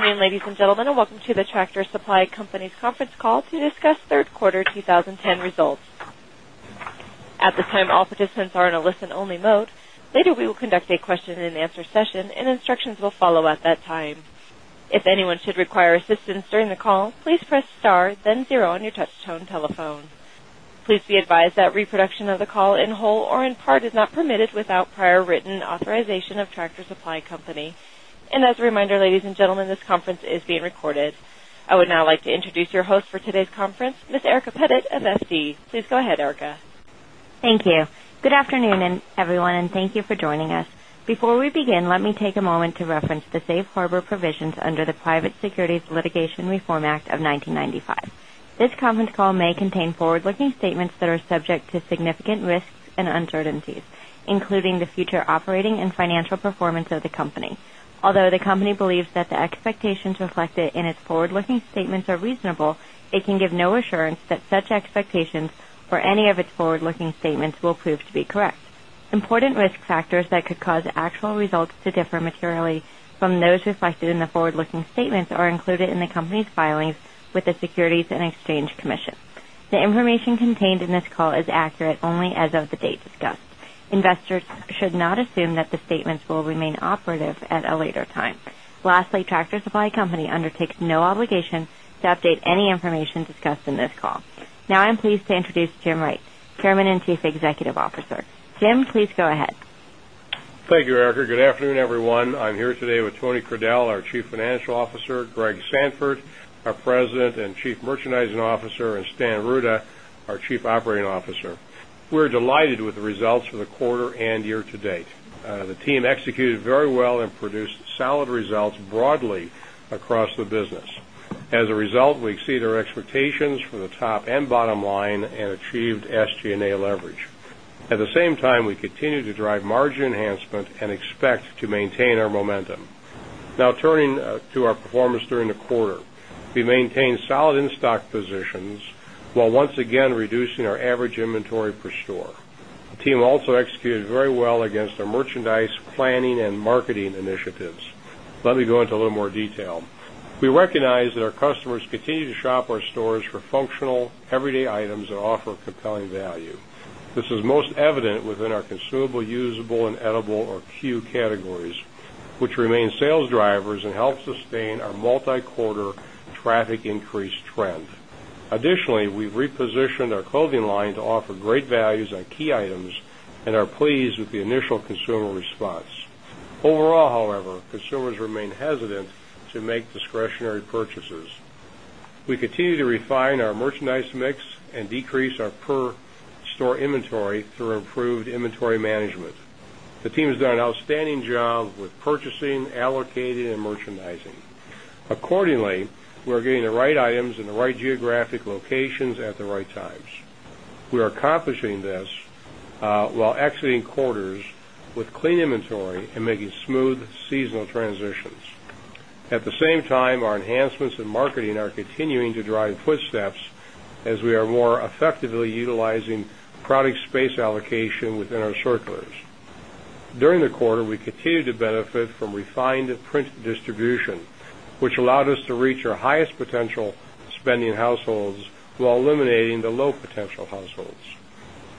Ladies and gentlemen, and welcome to the Tractor Supply Company's Conference Call to discuss Third Quarter twenty ten Results. At this time, all participants are in a listen only mode. Later, we will conduct a question and answer session and instructions will follow at that time. Please be advised that reproduction of the call in whole or in part is not permitted without prior written authorization of Tractor Supply And as a reminder, ladies and gentlemen, this conference is being recorded. I would now like to introduce your host for today's conference, Ms. Erica Pettit of SD. Please go ahead, Erica. Thank you. Good afternoon, everyone, and thank you for joining us. Before we begin, let me take a moment to reference the Safe Harbor provisions under the Private Securities Litigation Reform Act of 1995. This conference call may contain forward looking statements that are subject to significant risks and uncertainties, including the future operating and financial performance of the company. Although the company believes that the expectations reflected in its forward looking statements are reasonable, it can give no assurance that such expectations or any of its forward looking statements will prove to be correct. Important risk factors that could cause actual results to differ materially from those reflected in the forward looking statements are included in the company's filings with the Securities and Exchange Commission. The information contained in this call is accurate only as of the date discussed. Investors should not assume that the statements will remain operative at a later time. Lastly, Tractor Supply Company undertakes no obligation to update any information discussed in this call. Now, I'm pleased to Jim Wright, Chairman and Chief Executive Officer. Jim, please go ahead. Thank you, Erica. Good afternoon, everyone. I'm here with Tony Credell, our Chief Financial Officer Greg Sanford, our President and Chief Merchandising Officer and Stan Rutta, our Chief Operating Officer. We're delighted with the results for the quarter year to date. The team executed very well and produced solid results and A leverage. At the same time, we continue to drive margin enhancement and expect to maintain our momentum. Now turning to our performance during the quarter. We maintained solid in stock positions, while once again reducing our average inventory per store. The team also executed very well against our merchandise planning and marketing initiatives. Let me go into a little more detail. We recognize that our customers our clothing line to offer great values on key items and are pleased with the initial consumer response. Overall, however, consumers remain hesitant to make discretionary purchases. We continue to refine our merchandising. Accordingly, we're getting the right items in the right geographic locations at the right times. We are accomplishing this while exiting quarters with clean inventory and making smooth seasonal transitions. At the same time, our enhancements in marketing are continuing to drive footsteps as we are more effectively utilizing product space allocation within our circulars. During the quarter, we continue to benefit from refined print distribution, which allowed us to reach our highest potential spending households eliminating the low potential households.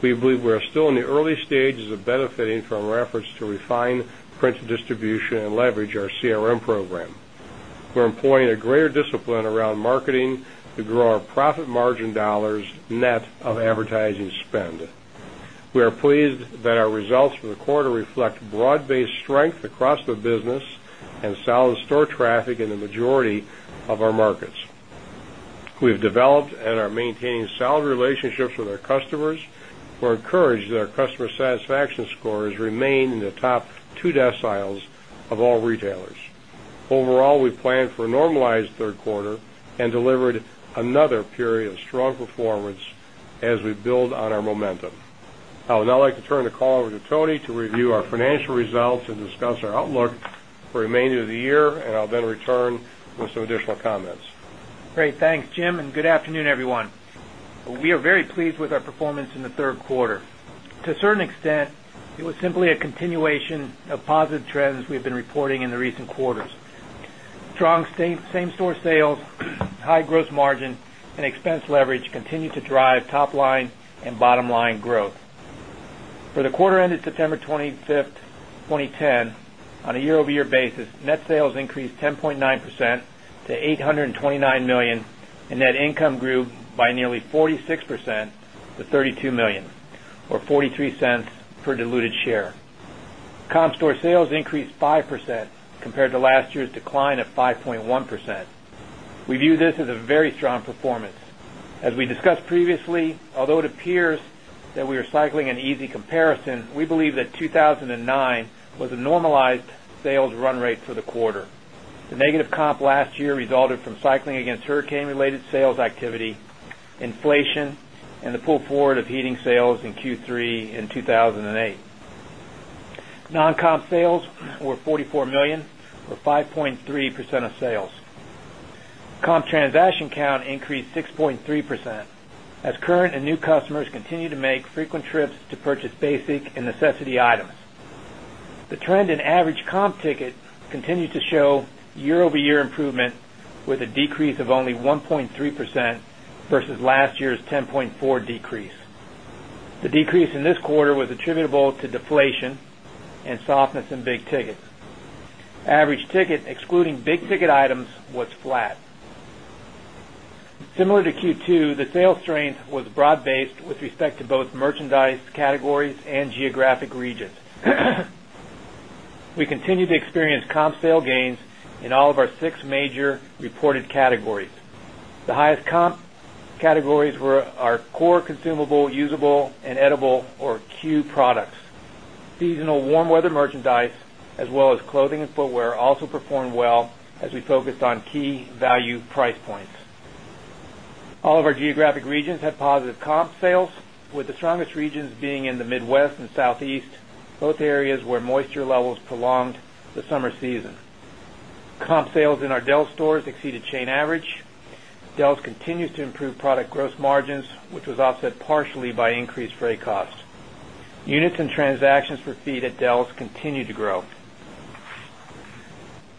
We believe we are still in the early stages of benefiting from our efforts to refine printed distribution and leverage our CRM program. We're employing a greater discipline around marketing to grow our profit margin dollars net of advertising spend. We are pleased that our results for the quarter reflect broad based strength across the business and solid store traffic in the majority of our markets. We have developed and are maintaining solid relationships with our customers. We're encouraged that our customer satisfaction scores remain in the top 2 deciles of all retailers. Overall, we plan for a normalized Q3 and delivered another period of strong performance as we build on our momentum. I would now like to turn the call over to Tony to review our financial results and discuss our outlook for the remainder of the year and I'll then return with some additional comments. Great. Thanks, Jim, and good afternoon, everyone. We are very pleased with our performance in the Q3. To certain extent, it was simply a continuation of positive trends we've been reporting in the recent quarters. Strong same store sales, high gross margin and expense leverage continued to drive top line and bottom line growth. For the quarter ended September 25, 20 10, on a year over year basis, net sales increased 10.9 percent to $829,000,000 and net income grew by nearly 46% to $32,000,000 or 0 point Comp previously, although it appears that we are cycling an easy comparison, we believe that 2,009 was a normalized sales run rate for the quarter. The negative comp last year resulted from cycling against hurricane related sales activity, inflation and the pull forward of heating sales in Q3 in 2008. Non comp sales were $44,000,000 or 5.3 percent of sales. Comp transaction count increased 6.3 percent as current and new customers continue to make frequent trips to purchase basic and necessity items. The trend in average comp ticket continues to show year over year improvement with a decrease of only 1.3% versus year's 10.4% decrease. The decrease in this quarter was attributable to deflation and softness in big ticket. Average ticket excluding big ticket items was flat. Similar to Q2, the sales strength was broad based with respect to both merchandise categories and geographic regions. We continue to experience comp merchandise as well as clothing and footwear also performed well as we focused on key value price points. Geographic regions had positive comp sales with the strongest regions being in the Midwest and Southeast, both areas where moisture levels prolonged the summer season. Comp sales in our Dells stores exceeded chain average. Dells continues to improve product gross margins, which was offset partially by increased freight cost. Units and transactions for feed at Dells continue to grow.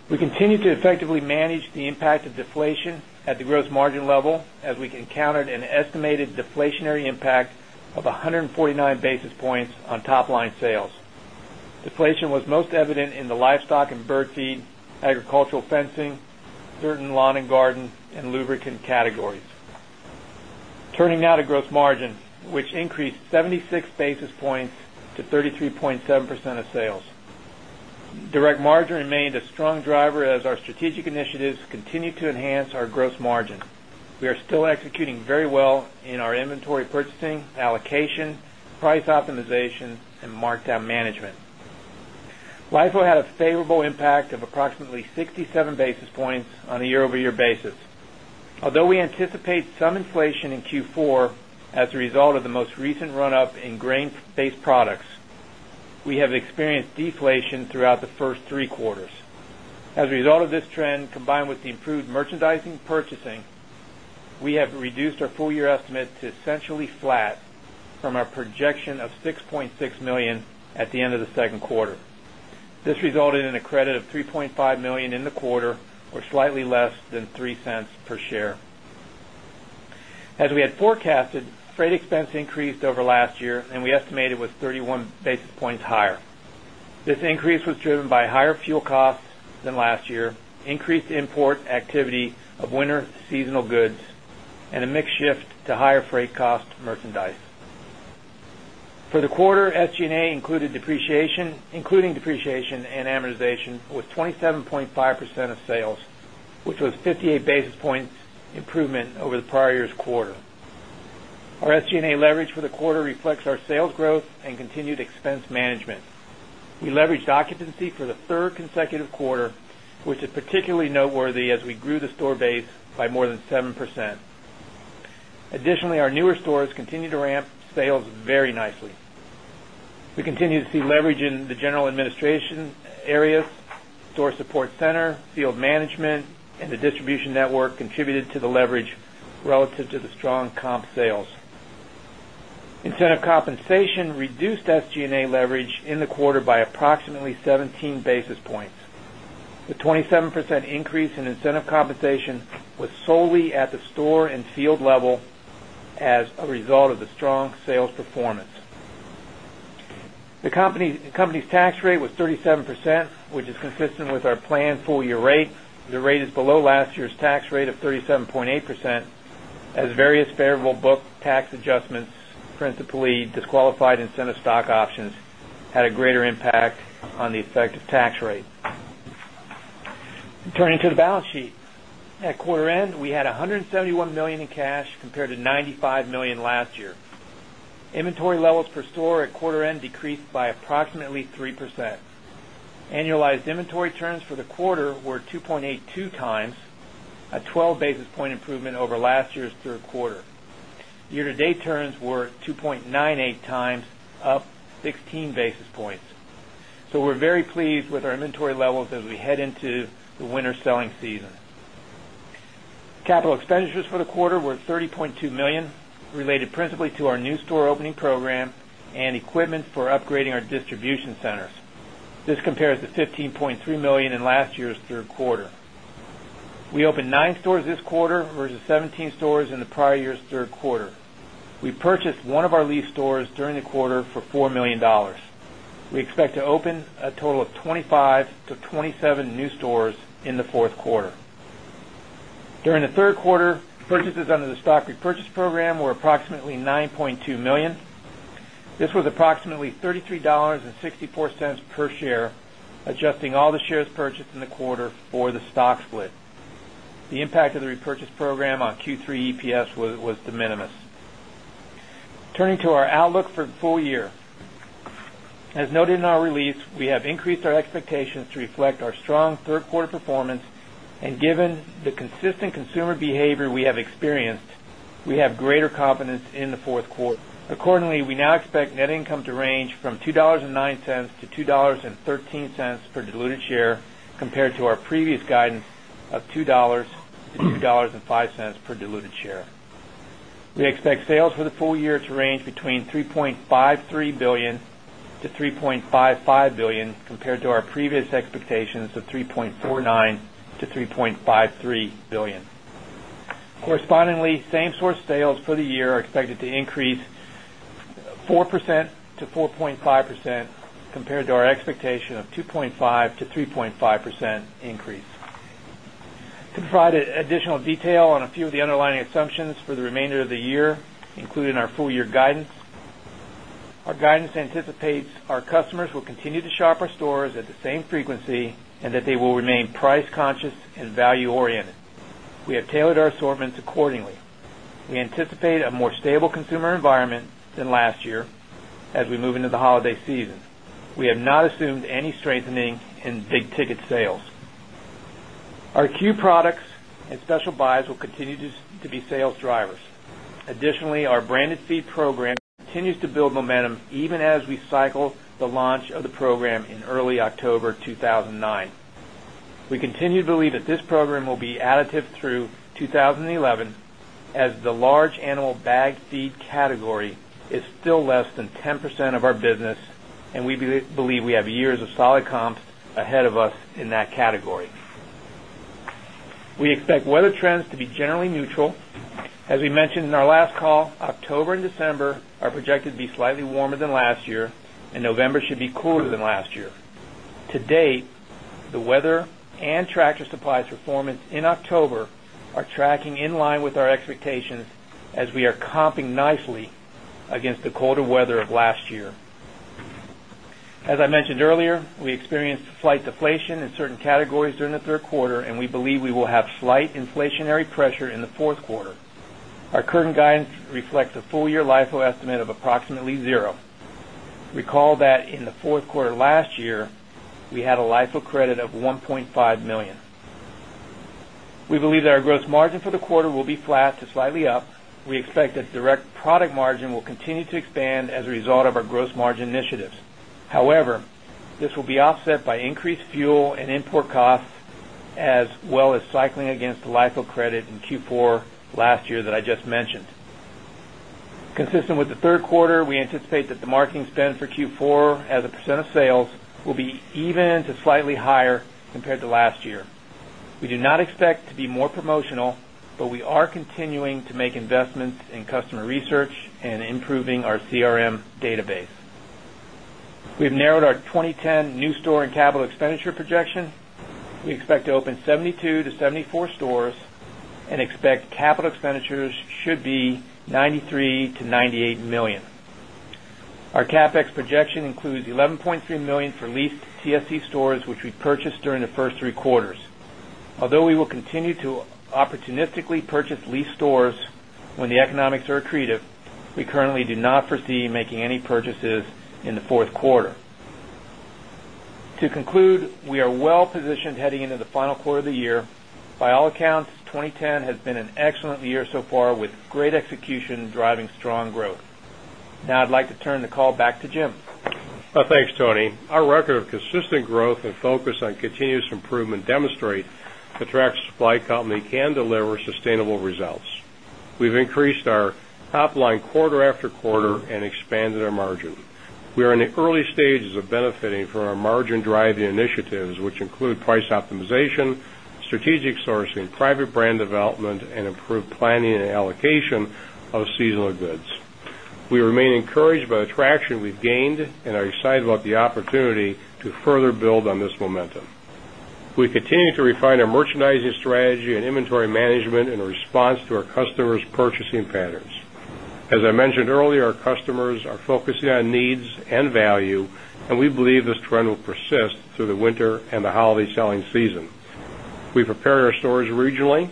We continue to effectively manage the impact of deflation at the gross margin level as we encountered an estimated deflationary impact of 149 basis points on top line sales. Deflation was most evident in the livestock and bird feed, agricultural fencing, certain lawn and garden and lubricant categories. Turning now to gross margin, which increased 76 basis points to 33.7 percent of sales. Direct margin remained a strong driver as our strategic initiatives continue to enhance our gross margin. We are still executing very well in our inventory purchasing, allocation, price optimization and markdown management. LIFO had a favorable impact of approximately 67 basis points on a year over year basis. Although we anticipate some 2nd quarter. This resulted in a credit of $3,500,000 in the quarter or slightly less than $0.03 per share. As we had forecasted, freight expense increased over last year and we estimate it was 31 basis points higher. This increase was driven by higher fuel costs than last year, increased import activity of winter seasonal goods and a mix shift to higher freight cost merchandise. For the quarter, SG and A included depreciation, including depreciation and amortization was 27.5 percent of sales, which was 58 basis points improvement over the prior year's quarter. Our SG and A leverage for the quarter reflects our sales growth and continued expense management. We leveraged occupancy for the 3rd continue to ramp sales very nicely. We continue to see leverage in the general administration areas, store support center, field Incentive compensation reduced SG and A leverage in the quarter by approximately 17 basis points. The 27% increase in incentive compensation was solely at the store and field level as a result of the strong sales performance. The company's tax rate was 37%, which is consistent with our planned full year rate. The rate is below last year's tax rate of 37.8 percent as various favorable book tax adjustments principally disqualified incentive stock options had a greater impact on the effective tax rate. Turning to the balance sheet. At quarter end, we had $171,000,000 in cash compared to 95 $1,000,000 last year. Inventory levels per store at quarter end decreased by approximately 3%. Annualized inventory turns for the quarter were 2.8 two times, a 12 basis point improvement over last year's 3rd quarter. Year to date turns were 2 point 98 times, up 16 basis points. So we're very pleased with our inventory levels as we head into the winter selling season. Capital expenditures for the quarter were $30,200,000 related principally to our new store opening program and equipment for upgrading our distribution centers. This compares to $15,300,000 in last year's Q3. We opened 9 stores this quarter versus 17 stores in the prior year's Q3. We purchased 1 of our lease stores during the quarter for $4,000,000 We expect to open a total of 20 5 to 27 new stores in the 4th quarter. During the Q3, purchases under the stock repurchase program were approximately 9.2 $1,000,000 This was approximately $33.64 per share adjusting all the shares purchased in the quarter for the stock split. The impact of the repurchase program on Q3 EPS was de minimis. Turning to our outlook for the full year. As noted in our release, we have increased our expectations to reflect our strong Q3 performance and given the consistent consumer behavior we have experienced, we have greater confidence in the Q4. Accordingly, we now expect net income to range from $2.09 to 2 point compared to our previous guidance of $2 to $2.05 per diluted share. We expect sales for the full year to range between 3 $530,000,000 to $3,550,000,000 compared to our previous expectations of $3,490,000,000 to 3.53 $1,000,000,000 to 3.53 expectation of 2.5% to 3.5% increase. To provide additional detail on a few of the underlying assumptions for of the year, including our full year guidance, our guidance anticipates our customers will continue to shop our stores at the same frequency and that they will remain price conscious and value oriented. We have tailored our assortments accordingly. We anticipate a more stable consumer environment than last year as we move into the holiday season. We have not assumed any strengthening in big ticket sales. Our Q products and special buys will continue to be sales drivers. Additionally, our branded feed program continues to build momentum even as we cycle the launch of the program in early October 2009. We continue to believe that this program will be additive through 2011 as the large animal bag feed category is still less than 10% of our business and we believe we have years of us in that category. We expect weather trends to be generally neutral. As we mentioned in our last call, October December are projected to be slightly warmer than last year and November should be cooler than last year. To date, the weather and Tractor Supply's performance in October are tracking in line with our expectations as we are comping nicely against the colder weather of last year. As I mentioned earlier, we experienced slight deflation in certain categories during the Q3 and we believe we will have slight inflationary pressure in the Q4. Our current guidance reflects a full year LIFO estimate of approximately 0. Recall that in the Q4 last year, we had a LIFO credit of dollars We believe that our gross margin for the quarter will be flat slightly up. We expect that direct product margin will continue to expand as a result of our gross margin initiatives. However, this will be offset by increased fuel and import costs as well as cycling against the LIFO credit in Q4 last year that I just mentioned. Consistent with the Q3, we anticipate that the marketing spend for Q4 as a percent of sales will be even to slightly higher compared to last year. We do not expect to be more promotional, but we are continuing to make investments in customer research and improving our CRM database. We've narrowed our 2010 new store and capital expenditure projection. We expect to open 72 to 74 stores and expect capital expenditures should be $93,000,000 to $98,000,000 Our CapEx projection includes $11,300,000 for leased CSC stores, which we purchased during the 1st 3 quarters. Although we will continue to opportunistically purchase leased stores when the economics are accretive, we currently do not foresee making any purchases in the 4th quarter. To conclude, we are well positioned heading into the final quarter of the year. By all accounts, 2010 has been an excellent year so far with great execution driving strong growth. Now, I'd like to turn the call back to Jim. Thanks, Tony. Our record of consistent growth and focus on continuous improvement demonstrate the Tractor Supply Company can deliver sustainable results. We've increased our top line quarter after quarter and expanded our margin. We are in the early stages of benefiting from our margin driving initiatives, which include price optimization, strategic sourcing, private brand development and improved planning and allocation of seasonal goods. We remain encouraged by the traction we've gained and are excited about the opportunity to further build on this momentum. We continue to refine our merchandising strategy and inventory management in response to our customers' purchasing patterns. As I mentioned earlier, our customers are focusing on needs and value and we believe this trend will persist through the winter and the holiday selling season. We prepared our stores regionally,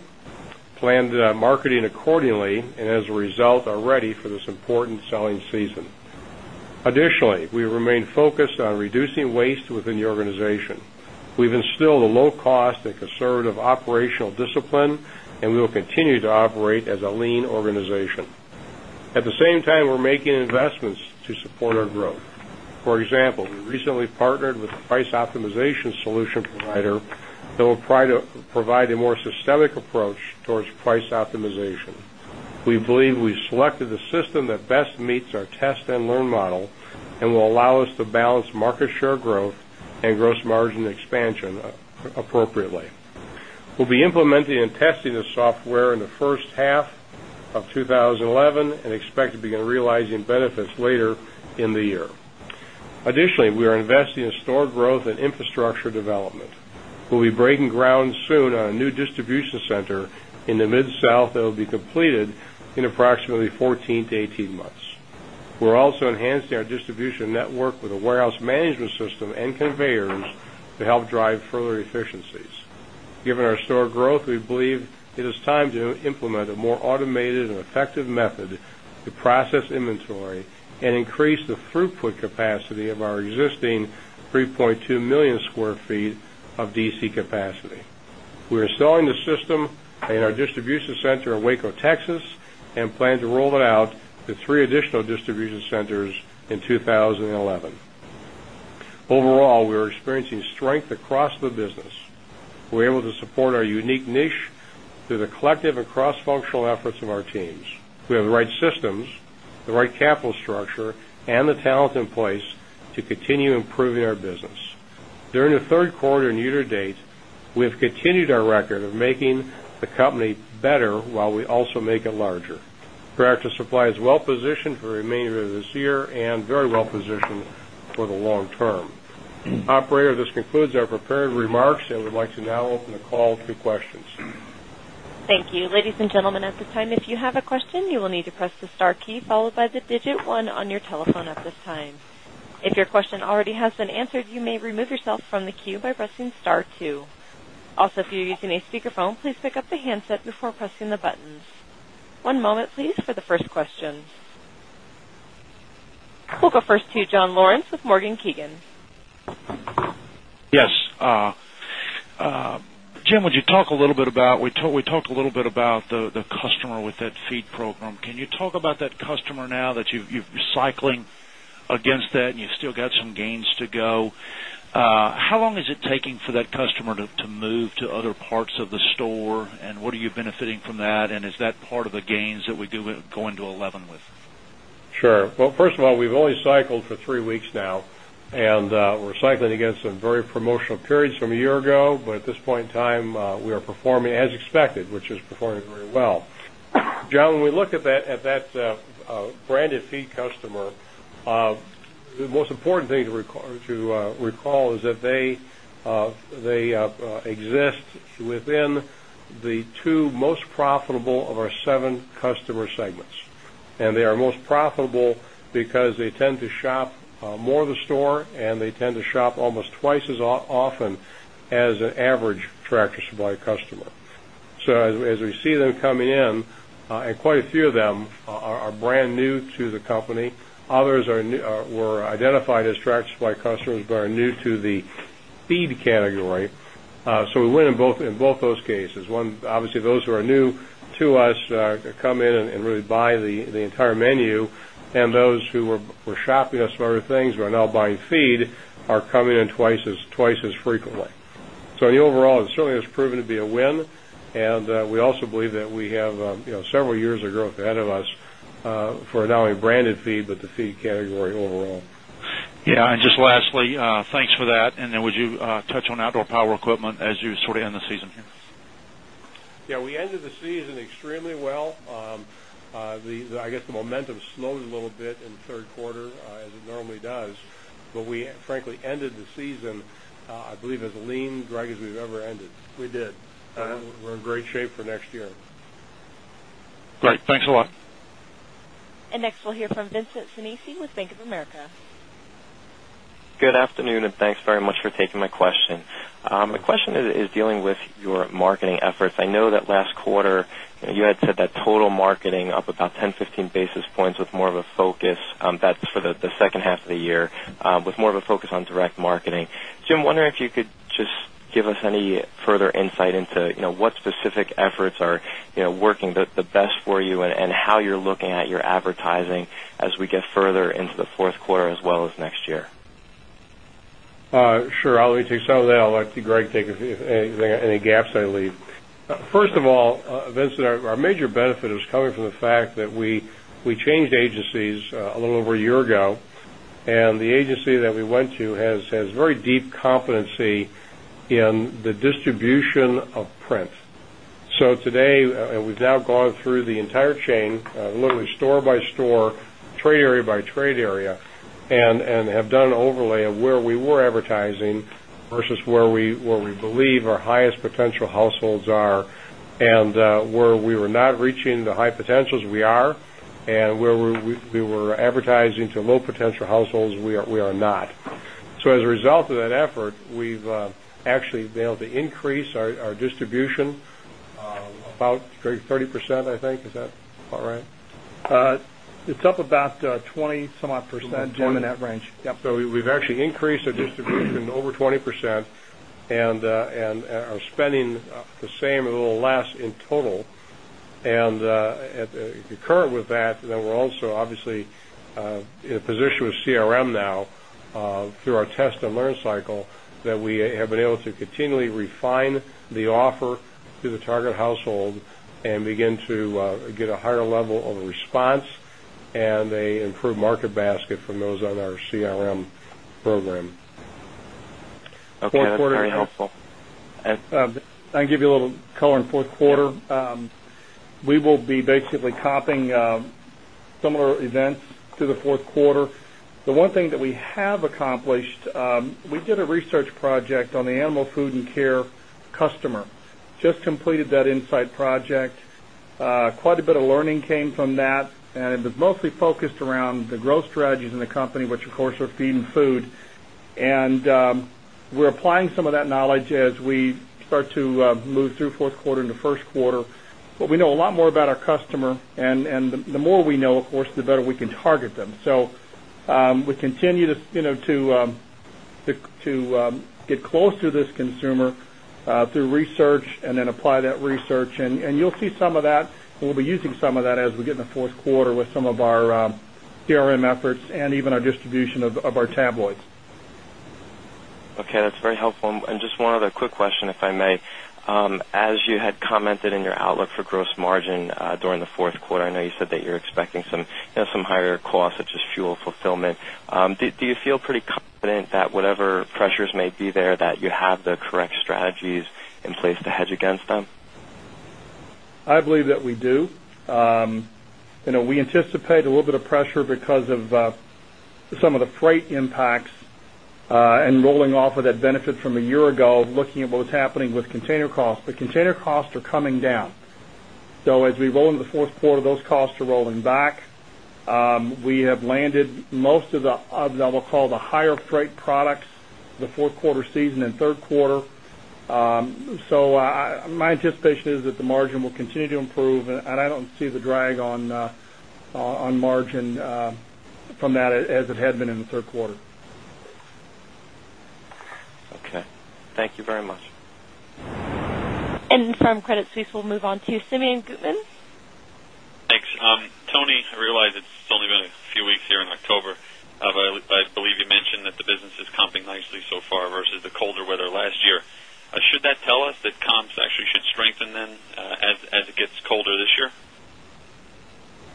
planned marketing accordingly and as a result are ready for this important selling Additionally, we remain focused on reducing waste within the organization. We've instilled a low cost and conservative and conservative operational discipline and we will continue to operate as a lean organization. At the same time, we're making investments to support our growth. For example, we margin expansion appropriately. We'll be implementing and testing this software in the first half of twenty 11 and expect to begin realizing benefits later in the year. Additionally, we are investing in store growth and infrastructure development. We'll be breaking ground soon on a new distribution center in the Mid South that will be completed in approximately 14 to 18 months. We're also enhancing our distribution network with a warehouse management system and conveyors to help drive further efficiencies. Given our store growth, we believe it is time to implement a more automated and effective method to process inventory and increase the throughput capacity of our existing 3,200,000 square feet of DC capacity. We are selling the system in our distribution center in Waco, Texas and plan to roll it out to 3 additional distribution to support our unique niche through the collective and cross functional efforts of our teams. We have the right systems, the right capital structure and the talent in place to continue improving our business. During the Q3 and year to date, we have continued our record of making the company better while we also make it larger. Practice Supply is well positioned for the remainder of this year and very well positioned for the long term. Operator, this concludes our prepared remarks and would like to now open the call to questions. Thank We'll go first to John Lawrence with Morgan Kiegan. Yes. Jim, would you talk a little bit about we talked a little bit about the customer with that feed program. Can you talk about that customer now that you're cycling against that and you still got some gains to go? How long is it taking for that customer to move to other parts of the store? And what are you benefiting from that? And is that part of the gains that we do going to 11 with? Sure. Well, first of all, we've only cycled for 3 weeks now and we're cycling against some very promotional periods from a year ago, but at this point in time, we are performing as expected, which is performing very well. John, when we look at that branded feed customer, the most important thing to recall is that they exist within the 2 most profitable of our 7 customer segments. And they are most profitable because they tend to shop more an average tractor supply customer. So, as we see them coming in and quite a few of them are brand new to the company. Others were identified as trucks by customers, but are new to the feed category. So, we win in both those cases. Obviously, those who are new to us come in and really buy the entire menu and those who were shopping us for other things who are now buying feed are coming in twice as frequently. So overall, it certainly has proven to be a win. And we also believe that we have several years of growth ahead of us for not only branded feed, but the feed category overall. Yes. And just lastly, thanks for that. And then would you touch on outdoor power equipment as you sort of end the season here? Yes. We ended the season extremely well. I guess the momentum slowed a little bit in the Q3 as it normally does. But we frankly ended the season, I believe as lean and drag as we've ever ended. We did. We're in great shape for next year. Great. Thanks a lot. And next we'll hear from Vincent Sinisi with Bank of America. Good afternoon and thanks very much for taking my question. My question is dealing with your marketing efforts. I know that last quarter you said that total marketing up about 10 basis points, 15 basis points was more of a focus that's for the second half of the year with more of a focus on direct marketing. Jim, wondering if you could just give us any further insight into what specific efforts are working the best for you and how you're looking at your advertising as we get further into the Q4 as well as next year? Leave. First of all, Vincent, our major benefit is coming I leave. First of all, Vincent, our major benefit is coming from the fact that we changed agencies a little over a year ago and the agency that we went to has very deep competency in the distribution of print. So today, we've now gone through the entire chain literally store by store, trade area by trade area and have done an overlay of where we were advertising versus where we believe our highest potential households are. And where we were not reaching the high potentials, we are. And where we were advertising to low potential households, we are not. So, as a result of that effort, we've actually been able to increase our distribution about 30%, I think. Is that all right? It's up about 20 somewhat percent in the net range. Yes. So, we've actually increased our distribution over 20% and are spending the same or less in total. And concurrent with that, we're also obviously in a position with CRM now through our test and learn cycle that we have been able to continually refine the offer to the target household and begin to get a improved market basket from those on our CRM program. 4th quarter helpful. I can give you a little color on Q4. We will be basically copying similar events to the Q4. The one thing that we have accomplished, we did a research project on the animal food and care customer, just completed that InSight project. Quite a bit of learning came from that and it was mostly focused around the growth strategies in the company, which of course are feed and food. And we're applying some of that knowledge as we start to move through Q4 into Q1. But we know a lot more about our customer and the more we know, of course, the better we can target them. So, to this consumer through research and then apply that research. And you'll see Q4 with some of our CRM efforts and even our distribution of our tabloids. Okay. That's very helpful. And just one other quick question, if I may. As you had commented in your outlook for gross margin during the Q4, I know you said that you're expecting some higher costs such as fuel fulfillment. Do you feel pretty confident that whatever pressures may be there that you have the correct strategies in place to hedge against them? I believe that we do. We anticipate a little bit of pressure because of some of the freight impacts and rolling off of that benefit from a year ago, looking at what was happening with container costs, but container costs are coming down. So as we roll into the Q4, those costs are rolling back. We have landed most of the, I will call, the higher freight products, the Q4 season and Q3. So my anticipation is that the margin will continue to improve and I don't see the drag on margin And from Credit Suisse, we'll move on to Simeon Gutman. Thanks. Tony, I realize it's only been a few weeks here in October, but I believe you mentioned that the business is comping nicely so far versus the colder weather last year. Should that tell us that comps actually should strengthen then as it gets colder this year?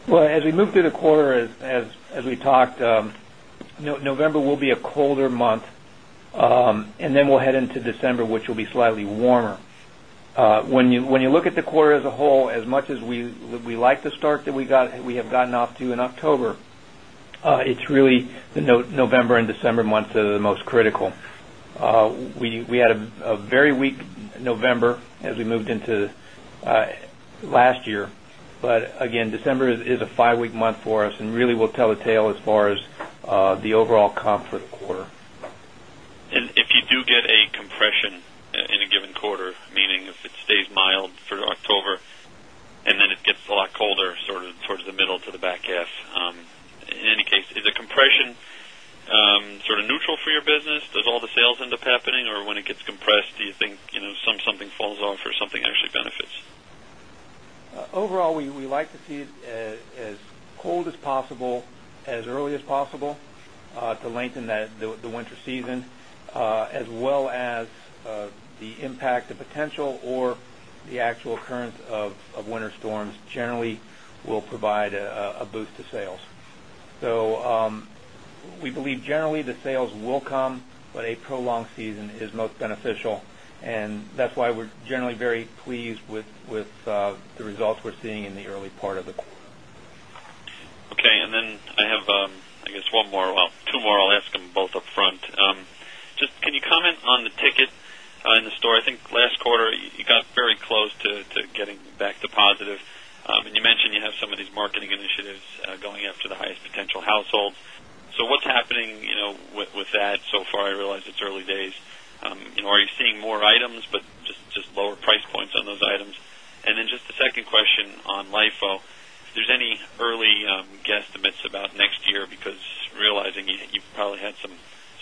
Well, as we move through the quarter, as we talked, November will be a colder month and then we'll head into December, which will be slightly warmer. When you look at the quarter as a whole, as much as we like the start that we have gotten off to in October, it's really the November December months are the most critical. We had a very weak November as we moved into last year. But again, December is a 5 week month for us and really will tell the tale as far as the overall comp for the quarter. And if you do get a compression in a given quarter, meaning if it stays mild for October and then it gets a lot colder sort of towards the middle to the back half, In any case, is the compression sort of neutral for your business? Does all the sales end up happening? Or when it gets compressed, do you think something falls off or something actually benefits? Overall, we like to see it as cold as possible as early as possible to lengthen the winter season as well as the impact of potential or the actual occurrence of winter storms generally will provide a boost to sales. So we believe generally the sales will come, but a prolonged season is most beneficial. And that's why we're generally very pleased with the results we're seeing in the early part of it. Okay. And then I have, I guess, one more. Well, 2 more. I'll ask them both upfront. Just can you comment on the ticket in the store? I think last quarter you got very close to getting back to positive. And you have some of these marketing initiatives going after the highest potential households. So what's happening with that so far? I realize it's early days. Are you seeing more items, but just lower price points on those items? And then just the second question on LIFO, if there's any early guesstimates about next year because realizing you probably had some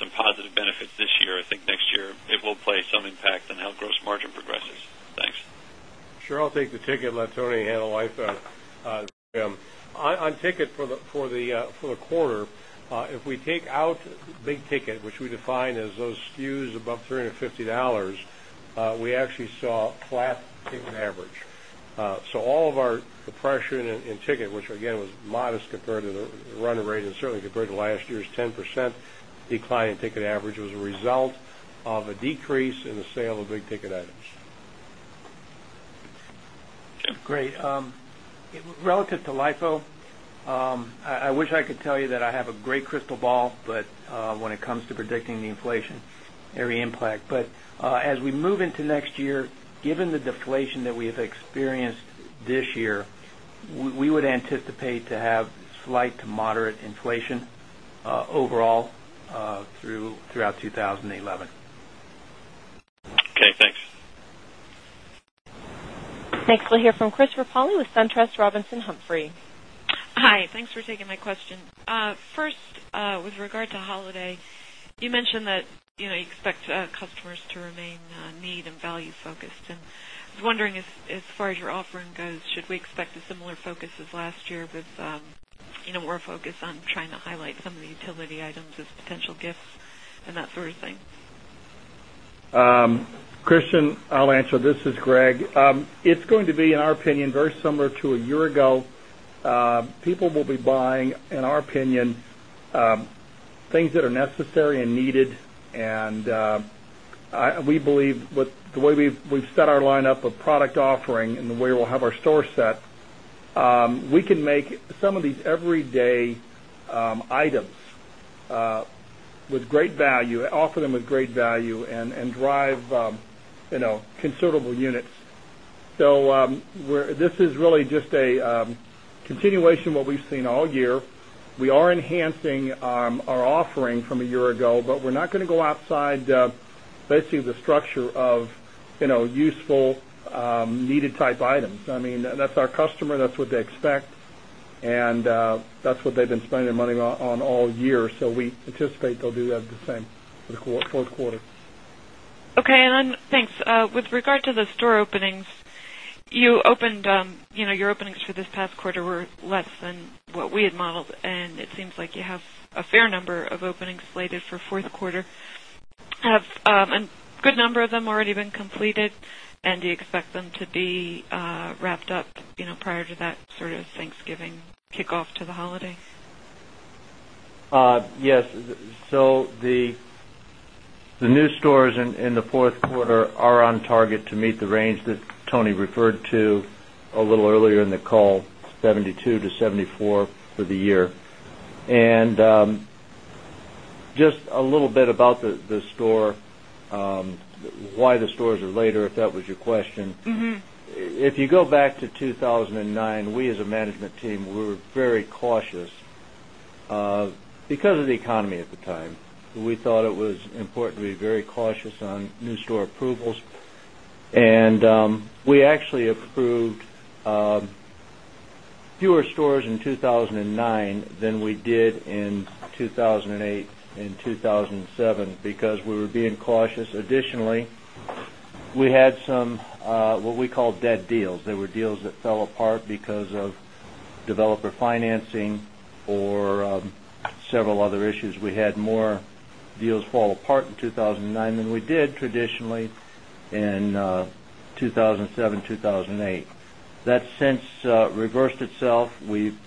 positive benefits this year, I think next year it will play impact on how gross margin progresses. Thanks. Sure. I'll take the ticket and let Tony handle life. On ticket for the quarter, if we take out big ticket, which we define as those SKUs above 3 $50 we actually saw flat ticket average. So all of our pressure in ticket, which again was modest to the run rate and certainly compared to last year's 10% decline in ticket average was a result of a decrease in the sale of big ticket items. Great. Relative to LIFO, I wish I could tell you that I have a great crystal ball, but when it comes to predicting the inflationary impact. But as we move into next year, given the deflation that we have experienced this year, we would anticipate to have slight to moderate inflation overall through out 2011. Okay. Thanks. Thanks. We'll hear from Christopher Polly with SunTrust Robinson Humphrey. Hi. Thanks for taking my question. First, with regard to holiday, you mentioned that you expect customers to remain need and value focused. And I was wondering as far as your offering goes, should we expect a similar focus as last year? More focused on trying to highlight some of the utility items as potential gifts and that sort of thing? Christian, I'll answer. This is Greg. It's going to be, in our opinion, very similar to a year ago. People will be buying, in our opinion, things that are necessary and needed. And we believe with the way we've set our lineup of product offering and the way we'll have our store set, we can make some of these everyday items with great value offer them with great value and drive considerable units. So this is really just a continuation of what we've seen all year. We are enhancing our offering from a year ago, but we're not going to go outside basically the structure of useful needed type items. I mean, that's our customer, that's what they expect and that's what they've been spending money on all year. So we anticipate they'll do that the same for the Q4. Okay. And then thanks. With regard to the store openings, you opened your openings for this past quarter were less than what we had modeled and it seems like you have a fair number of openings slated for Q4. Have a good number of them already been completed? And do you expect them to be wrapped up prior to that sort of Thanksgiving kickoff to the holiday? Yes. So the new stores in the Q4 are on target to meet the range that Tony referred to a little earlier in the call, 72 to 74 for the year. And just a little bit about the store, why the stores are later, if that was your question. If you go back to 2,000 and we as a management team, we were very cautious because of the economy at the time. We thought it was important to be very cautious on new store approvals. And we actually approved fewer stores in 2,009 than we did in 2,008 and 2,007 because we were being cautious. Additionally, we had some, what we call dead deals. They were deals that fell apart because of developer financing or several other issues. We had more deals fall apart in 2,009 than we did traditionally in 2,007, 2,000 2,008. That since reversed itself. We've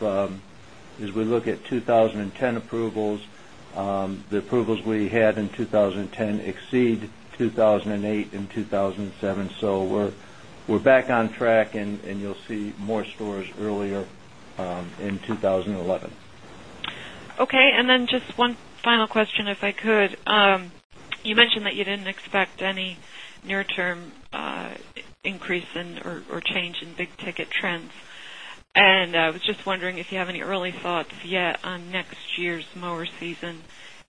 as we look at 2010 approvals, the approvals we had in 2010 exceed 2,008 and 2,007. So we're back on 2011. Okay. And then just one final question if I could. You mentioned that you didn't expect any near term increase in or change in big ticket trends. And I was just wondering if you have any early thoughts yet on next year's mower season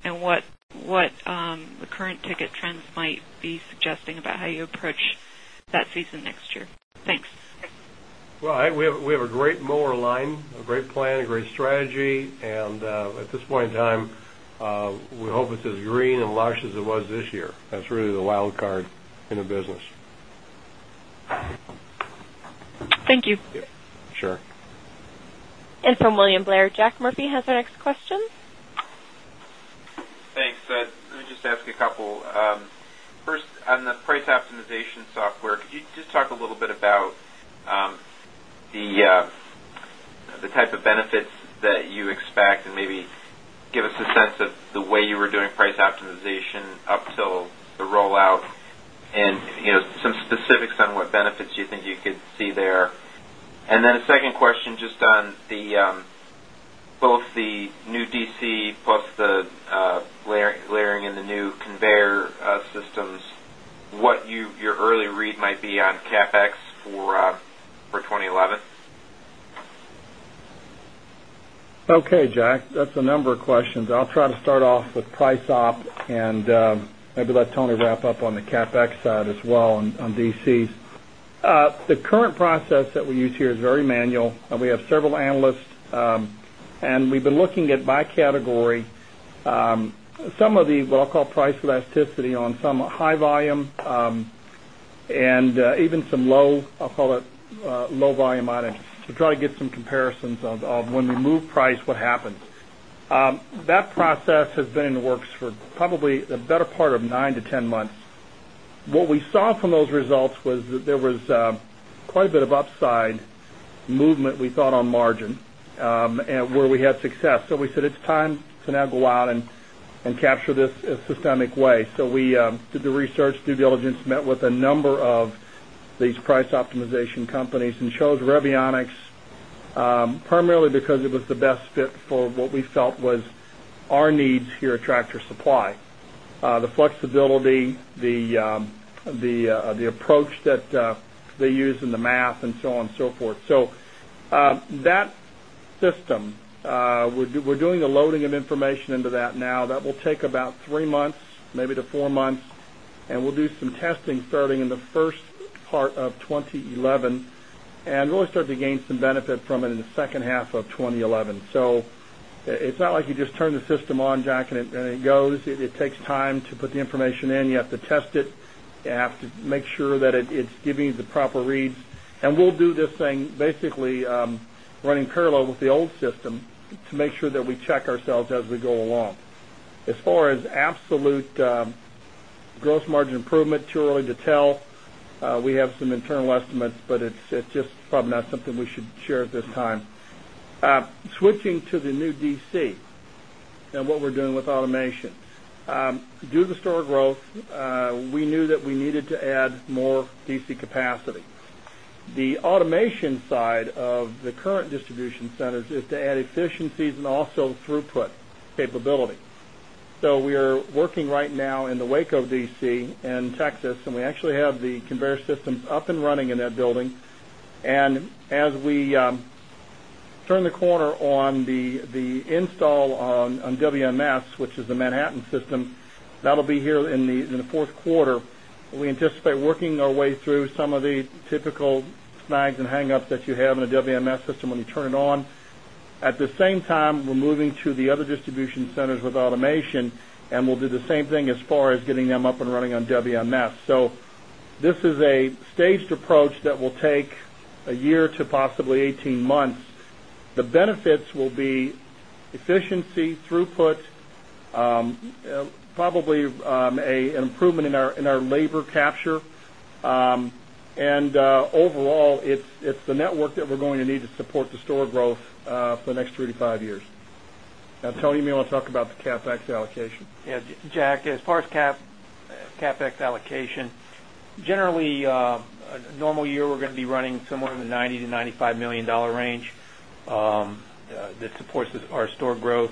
and what the current ticket trends might be And at And at this point in time, we hope it's as green and lush as it was this year. That's really the wildcard in the business. Thank you. Sure. And from William Blair, Jack Murphy has our next question. Thanks. Let me just ask a couple. First, on the price optimization software, could you just doing price optimization up till the rollout and some specifics on what benefits you think you could see there? And then the second question just on the both the new DC plus the layering in the new conveyor systems, what your early read might be on CapEx for 2011? Okay, Jack. That's a number of questions. I'll try to start off with price op and maybe let Tony wrap up on the CapEx side as well DCs. The current process that we use here is very manual. We have several analysts and we've been looking at by category some of the, what I'll call, price elasticity on some high volume and even some low, I'll call it, low volume on it to try to get some comparisons of when we move price what happens. That process has been in the works for probably the better part of 9 to 10 months. What we saw from those results was that there was quite a bit of upside movement we thought on margin and where we had success. So we said it's time to now go out and capture this systemic way. So we did the research, due diligence, met with a number of these price optimization companies and chose Revionics primarily because it was the best fit for what we felt was our needs here at Tractor Supply. The flexibility, the approach that they doing the loading of information into that now. That will take about 3 months, maybe to 4 months. And we'll do some testing starting in the first part of twenty eleven and really start to gain some benefit from it in the second half of twenty eleven. So it's not like you just turn the system And we'll do this thing basically running parallel with the old system to make sure that we check ourselves as we go along. As far as absolute gross margin improvement, too early to tell. We have some internal estimates, but it's just probably not something we should share at this time. Switching to the new DC and what we're doing with automation. Due to the store growth, we knew that we needed to add more DC capacity. The automation side of the current distribution centers is to add efficiencies and also throughput capability. So we are working right now in the Waco DC in Texas and we install on WMS, which is the Manhattan system. That will be here in the Q4. We anticipate working our way through some of the typical snags and hang ups that you have in a WMS system when you turn it on. At the same time, we're moving to the other distribution centers with automation and we'll do the same thing as as getting them up and running on WMS. So this is a staged approach that will take a year to possibly 18 months. The benefits will be efficiency, throughput, probably an improvement in our labor capture. And overall, it's the network that we're going to need to support the store growth for the next 3 to 5 years. Now, Tony, may you want to talk about the CapEx allocation? Yes. Jack, as far as CapEx allocation, generally, allocation, generally, a normal year, we're going to be running somewhere in the $90,000,000 to $95,000,000 range that supports our store growth.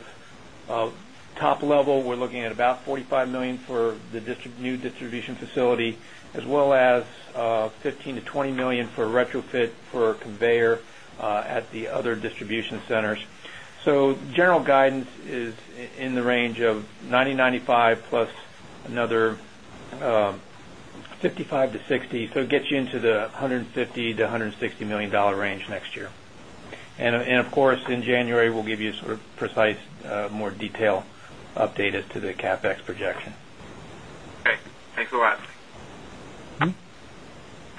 Top level, we're looking at about $45,000,000 for the new distribution $20,000,000 for retrofit for a conveyor at the other distribution centers. So, general guidance is in the range of $90,000,000 $95,000,000 plus another $55,000,000 to $60,000,000 So it gets you into the $150,000,000 to $160,000,000 range next year. And of course, in January, we'll give you sort of precise more detail updated to the CapEx projection.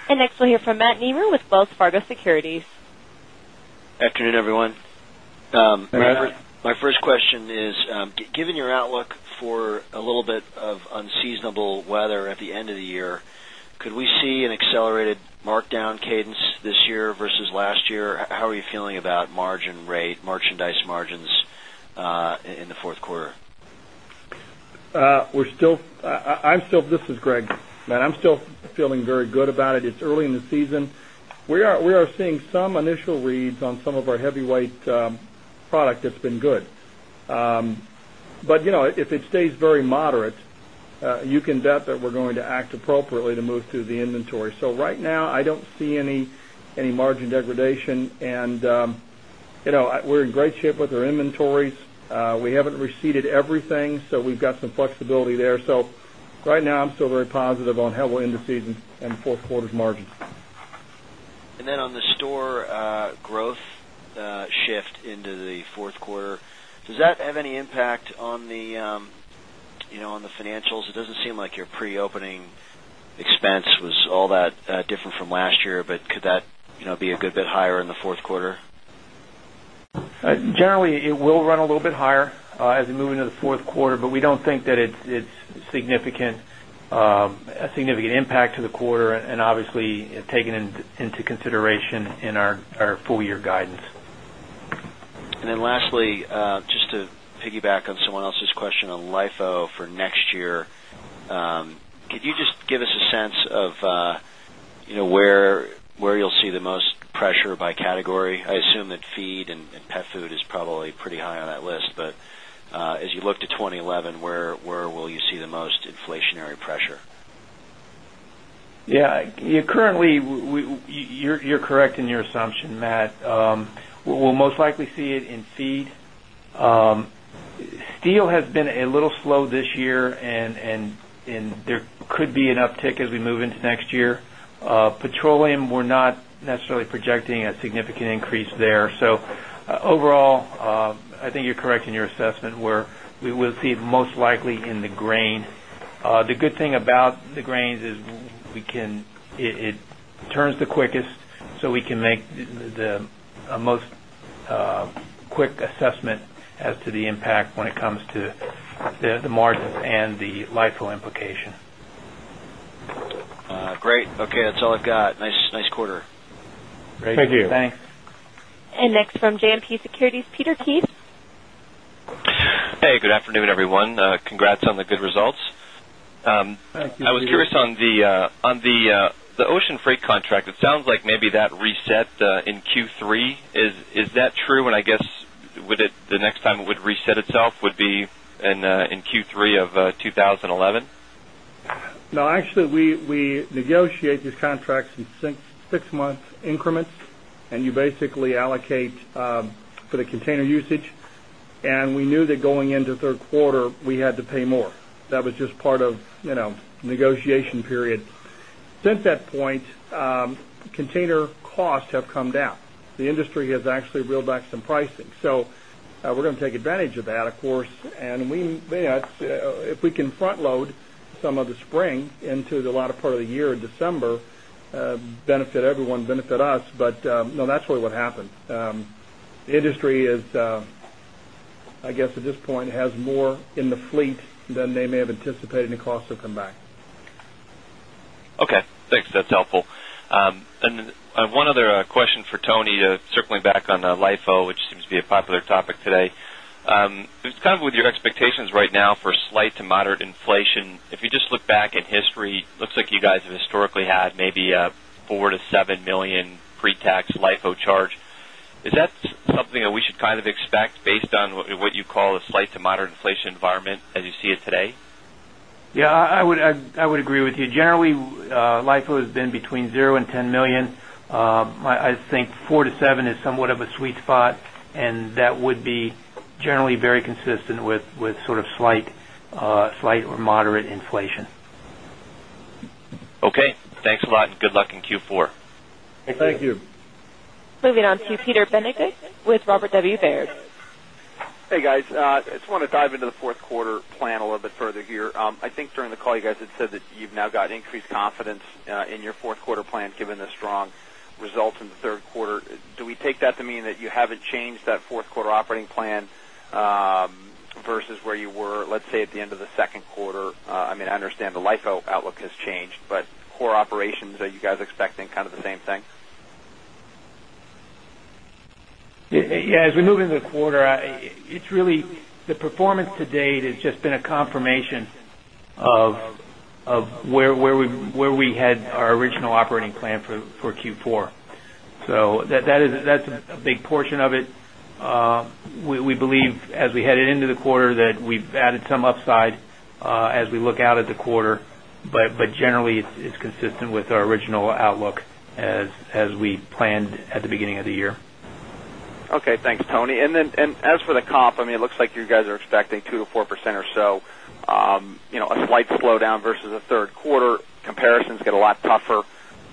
And next we'll hear from Matt Niemeyer with Wells Fargo Securities. Unseasonable weather at the end of the year, could we see an accelerated markdown cadence this year versus last year? How are you feeling about margin rate, merchandise margins in the 4th quarter? We're still I'm still this is Greg. Matt, I'm still feeling very good about it. It's early in the season. We are seeing some initial reads on some of our heavyweight product that's been good. But if it stays very moderate, you can bet that we're inventories. We haven't receded everything. So we've got some flexibility there. So right now, I'm still very positive on how we're in the season and the 4th quarter's margin. And then on the store growth shift into the Q4, does that have any impact on the financials? It doesn't seem like your pre opening expense was all that different from last year, but could that be a good bit higher in the Q4? Generally, it will run a little bit higher as we move into the Q4, but we don't think that it's significant impact to the quarter and obviously taken into consideration in our full year guidance. And then lastly, just to piggyback on someone else's question on LIFO for next year. Could you just give us a sense of where you'll see the most pressure by category? I assume that feed and pet food is probably pretty high on that list. But as you look to 2011, where will you see the most inflationary pressure? Yes. Currently, you're correct in your assumption, Matt. We'll most likely see it in FEED. Steel has been a little slow this year and there could be an uptick as we move into next year. Petroleum, we're not necessarily projecting a significant increase there. So overall, I think you're correct in your assessment where we will see most likely in the grain. The good thing about the grains is we can it turns the quickest, so we can make the most quick assessment as to the impact when it comes to the margin and the LIFO implication. Great. Okay. That's all I've got. Nice quarter. Thank you. Thanks. And next from JMP Securities, Peter Keith. Hey, good afternoon, everyone. Congrats on the good results. Thank you. I was curious on the ocean freight contract, it sounds like maybe that reset in Q3. Is that true? And I guess, would it the next time it would reset itself would be in Q3 of 2011? No, actually we negotiate these contracts in 6 months increments and you basically allocate for the container usage. And we knew that going into Q3, we had to pay more. That was just part of negotiation period. Take advantage of that, of course. And we may not if we can front load some of the spring into the latter part of the year in December, benefit everyone, benefit us. But that's really what happened. The industry is, I guess, at this point has more in the fleet than they may have anticipated and the cost will come back. Okay. Thanks. That's helpful. And then one other question for Tony, kind of with your expectations right now for slight to moderate inflation. If you just look back at history, it looks like you guys have historically had maybe $4,000,000 to $7,000,000 pre you guys have historically had maybe $4,000,000 to $7,000,000 pretax LIFO charge. Is that something that we should kind of expect based on what you call a slight to moderate inflation environment as you see it today? Yes, I would agree with you. Generally, LIFO has been between $10,000,000 I think $4,000,000 to $7,000,000 is somewhat of a sweet spot and that would be generally very consistent with sort of slight or moderate inflation. Okay, thanks a lot and good luck in Q4. Thank you. Moving on to Peter Benedict with Robert W. Baird. Hey guys, I just want to dive into the Q4 plan a little bit further here. I think during the call you guys had said that you've now got increased confidence in your 4th quarter given the strong results in the Q3. Do we take that to mean that you haven't changed that 4th quarter operating plan versus where you were, let's say, at the end of the Q2? I mean, I understand the LIFO outlook has changed, but core operations, are you guys expecting kind of the same thing? Yes. As we move into the quarter, it's really the performance to date has just been a confirmation of where we had our original operating plan for Q4. So that's a big portion of it. We believe as we headed into the quarter that we've added some upside as we look out at the quarter. But generally it's consistent with our original outlook as we planned at the beginning of the year. Okay. Thanks, Tony. And then, and as for the comp, I mean, it looks like you guys are expecting 2% to 4% or so, a slight slowdown versus the Q3 comparisons get a lot tougher,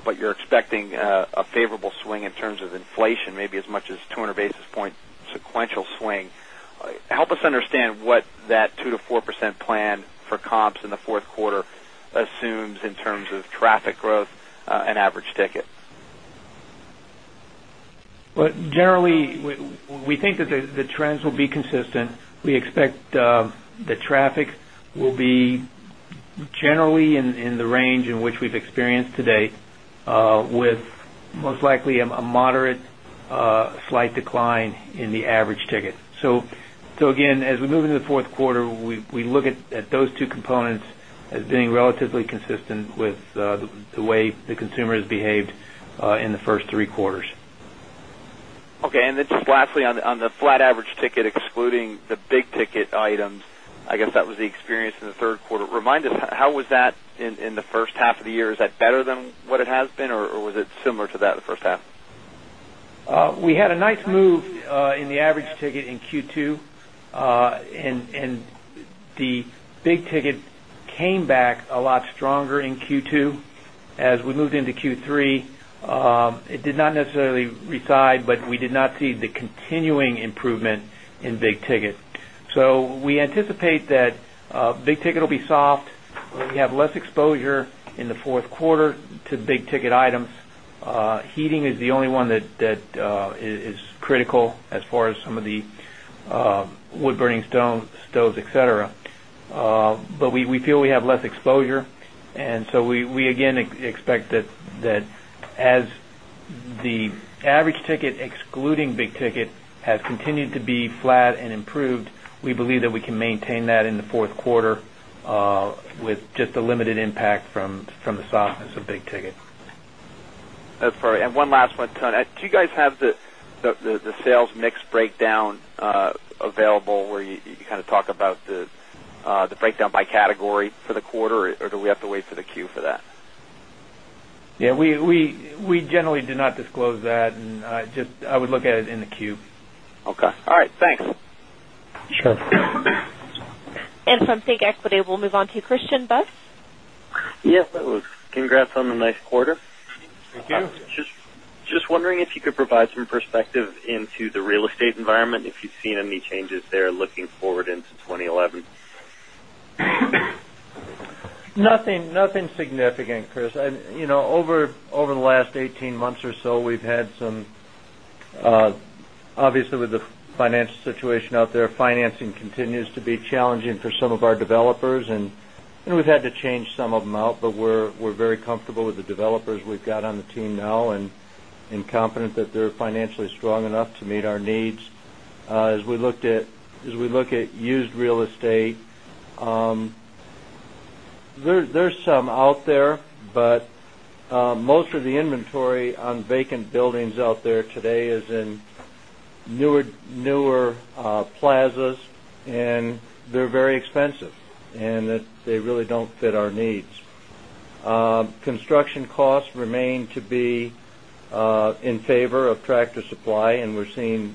but you're expecting a favorable swing in terms of inflation, maybe as much as 200 basis point sequential swing. Help us understand what that 2% to 4% plan for comps in the Q4 assumes in terms of traffic growth and average ticket? Well, generally, we think that the trends will be consistent. We expect the traffic will be slight decline in the average ticket. So again, as we move into the 4th quarter, we look at those two components as being relatively quarters. Okay. And then just lastly on the flat average ticket excluding the big ticket items, I guess that was the experience in the Q3. Remind us how was that in the first half of the year? Is that better than what it has been or was it similar to that in the first half? We had a nice move in the average ticket in Q2 and the big ticket came back a lot stronger in Q2. As we moved into Q3, it did not necessarily be soft. We have less exposure in the Q4 to big ticket items. Heating is the only one that is critical as far as some of the wood burning stones, stoves, etcetera. But we feel we have less exposure. And so we again expect that as the average ticket excluding big ticket has continued to be flat and improved, we believe that we can maintain that in the 4th quarter with just a limited impact from the softness of big ticket. That's right. And one last one, Do you guys have the sales mix breakdown available where you kind of talk about the breakdown by category for the quarter or do we have to wait for the Q for that? Yes, we generally do not disclose that and just I would look at it in the Q. Q. And from ThinkEquity, we'll move on to Christian Budds. Yes, congrats on nice quarter. Thank you. Just wondering if you could provide some perspective into the real estate environment, if you've seen any changes there looking forward into 2011? Nothing significant, Chris. Over the last 18 months so, we've had some obviously, with the financial situation out there, financing continues to be challenging for some of our look at the there's There's some out there, but most of the inventory on vacant buildings out there today is in newer plazas and they're very expensive and they really don't fit our needs. Construction costs remain to be in favor of tractor supply and we're seeing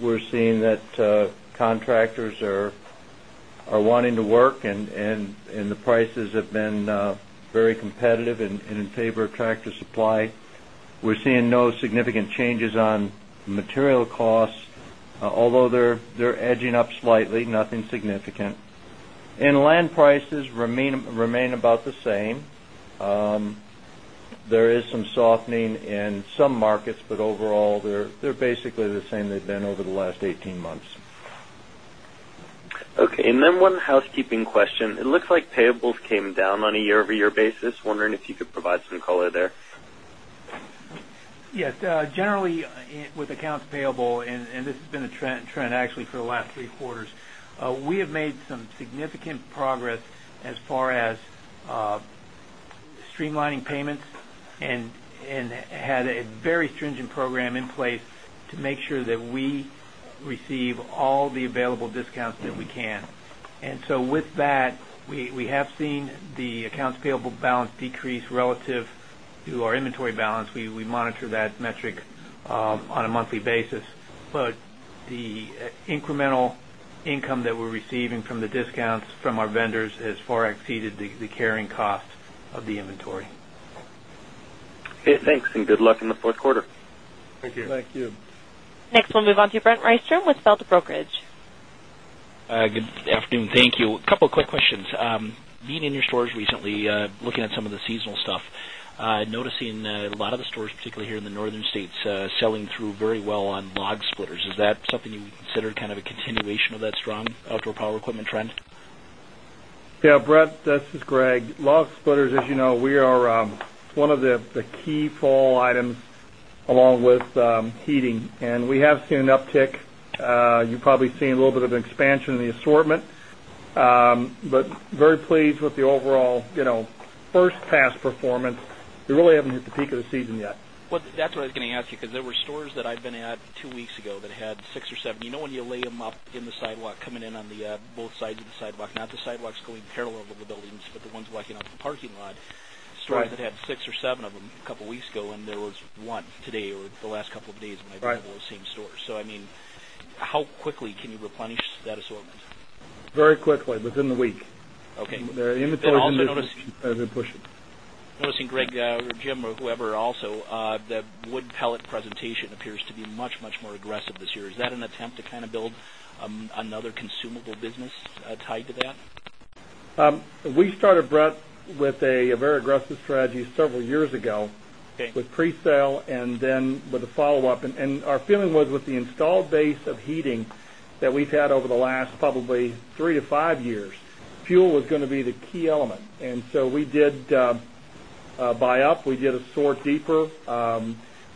that contractors are wanting to work and the prices have been very competitive tractor supply. We're seeing no significant changes on material costs, although they're edging up slightly, nothing significant. And land prices remain about the same. There is some softening in some markets, but overall, they're basically the same they've been over the last 18 months. Okay. And then one housekeeping question. It looks like payables came down on a year over year basis. Wondering if you could provide some color there? Yes. Significant progress as far as streamlining payments and had a very stringent program in place to make sure that we receive all the available discounts that we can. And so with that, we have seen the accounts payable balance decrease relative to our inventory balance. We monitor that metric on a monthly basis. Our inventory balance, we monitor that metric on a monthly basis. But the incremental income that we're receiving from the discounts from our vendors has far exceeded the carrying cost of the inventory. Okay. Thanks and good luck in the Q4. Thank you. Thank you. Next we'll move on to Brent Rystrom with Feltbrokerage. Good afternoon. Thank you. A couple of quick questions. Being in your stores recently, looking at some of the seasonal stuff, noticing a lot of the stores particularly here in the Northern States selling through very well on log splitters. Is that something you consider kind of a continuation of that strong outdoor power equipment trend? Yes, Brett, this is Greg. Log splitters, as you know, we are one the key fall items along with heating. And we have seen an uptick. You've probably seen a little bit of expansion in the assortment, but very pleased with the overall first pass performance. We really haven't hit the peak of the season yet. That's what I was going to ask you because there were stores that I've been at 2 weeks ago that had 6 or 7. You know when you lay them up in the sidewalk coming in on the both sides of the sidewalk, not the sidewalks going parallel with the buildings, but the ones walking out the parking lot, stores that had 6 or 7 of them a couple of weeks ago and there was one today or the last couple of days when I bought the same store. So I mean how quickly can you replenish that assortment? Very quickly, within the week. Okay. Inventory has been pushing. I'm noticing Greg or Jim or whoever also, the wood pellet presentation appears to be much, much more aggressive this year. Is that an attempt to kind of build another consumable business tied to that? We heating that we've had over the last probably 3 to 5 years, fuel was going to be the key element. And so we did buy up, we did a store deeper.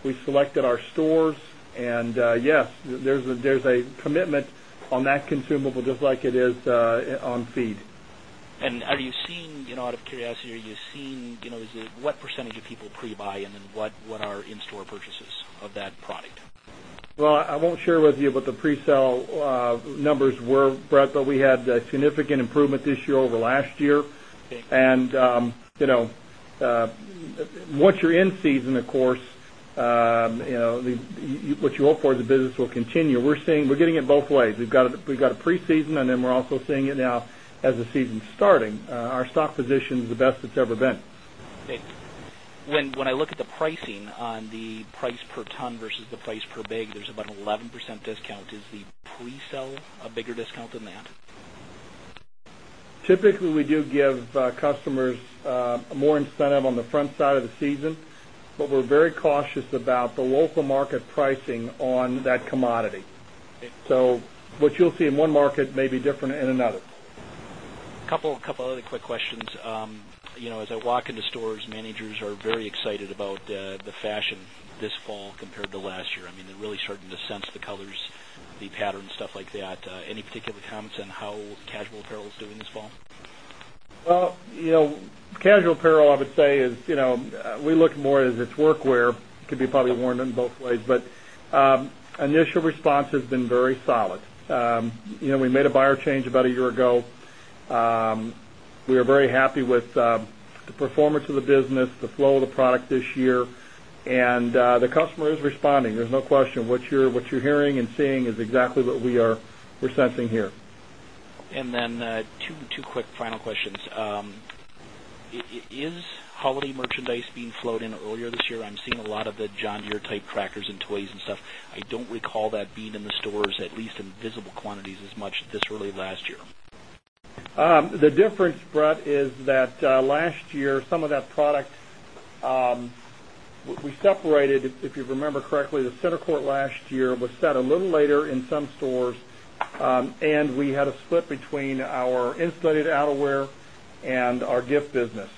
We selected our stores. And yes, there's a commitment on that consumable just like it is on feed. And are you seeing out of curiosity, are you seeing is it what percentage of people pre buy and then what are in store purchases of that product? Well, I won't share with you what the pre sell numbers were, Brett, but we had a significant improvement this year over last year. And once you're in season, of course, what you hope for the business will continue. We're seeing we're getting it both ways. We've got preseason and then we're also seeing it now as the season is starting. Our stock position is the best it's ever been. When I look at the pricing on the price per ton versus the price per big, there's about 11% discount. Is the pre sell a bigger discount than that? Typically, we do give customers more incentive on the front side of the season, but we're very cautious about the local market pricing on that commodity. So what you'll see in one market may be different in another. Couple of other quick questions. As I walk into stores, managers are very excited about the fashion this fall compared to last year. I mean, they're really starting to sense the colors, the patterns, stuff like that. Any particular comments on how casual apparel is doing this fall? Well, casual apparel, I would say is, we look more as it's workwear, it could be probably worn in both ways, but initial response has been very solid. We made a buyer change about a year ago. We are very happy with the performance of the business, the flow of the store. Of the John Deere type crackers and toys and stuff. I don't recall that being in the stores at least in visible quantities as much this early last year. The difference, Brett, is that last year some of that product we separated, if you remember correctly, the Center Court last year was set a little later in some stores, and we had a split between our insulated outerwear and our gift business.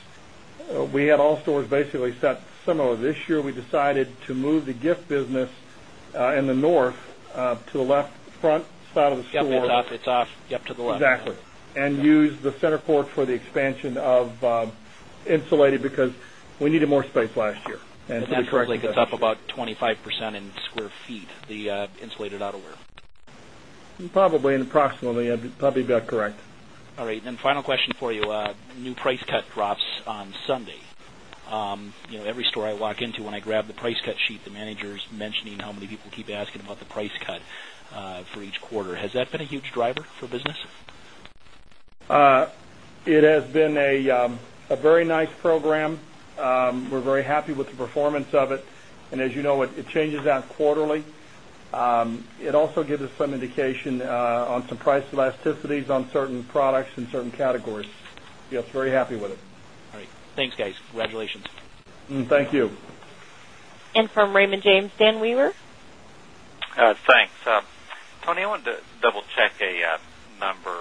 We had all stores basically set similar. This year, we decided to move the gift business in the north to the left front side of the store. Yes, it's off, yes, to the left. Exactly. And use the center court for the expansion of insulated because we needed more space last year. Is that exactly it's up about 25% in square feet, the insulated outerwear. Probably and approximately, probably about correct. All right. And final question for you. New price cut drops on Sunday. Every store I walk into when I grab the price cut sheet, the managers mentioning how many people keep asking about the price cut for each quarter. Has that been a huge driver for business? It has been a very nice program. We're very happy with the performance of it. And as you know, it changes out quarterly. It also gives us some indication on some price elasticities on certain products in certain categories. We're happy with it. All right. Thanks guys. Congratulations. Thank you. And from Raymond James, Dan Weaver. Tony, I wanted to double check a number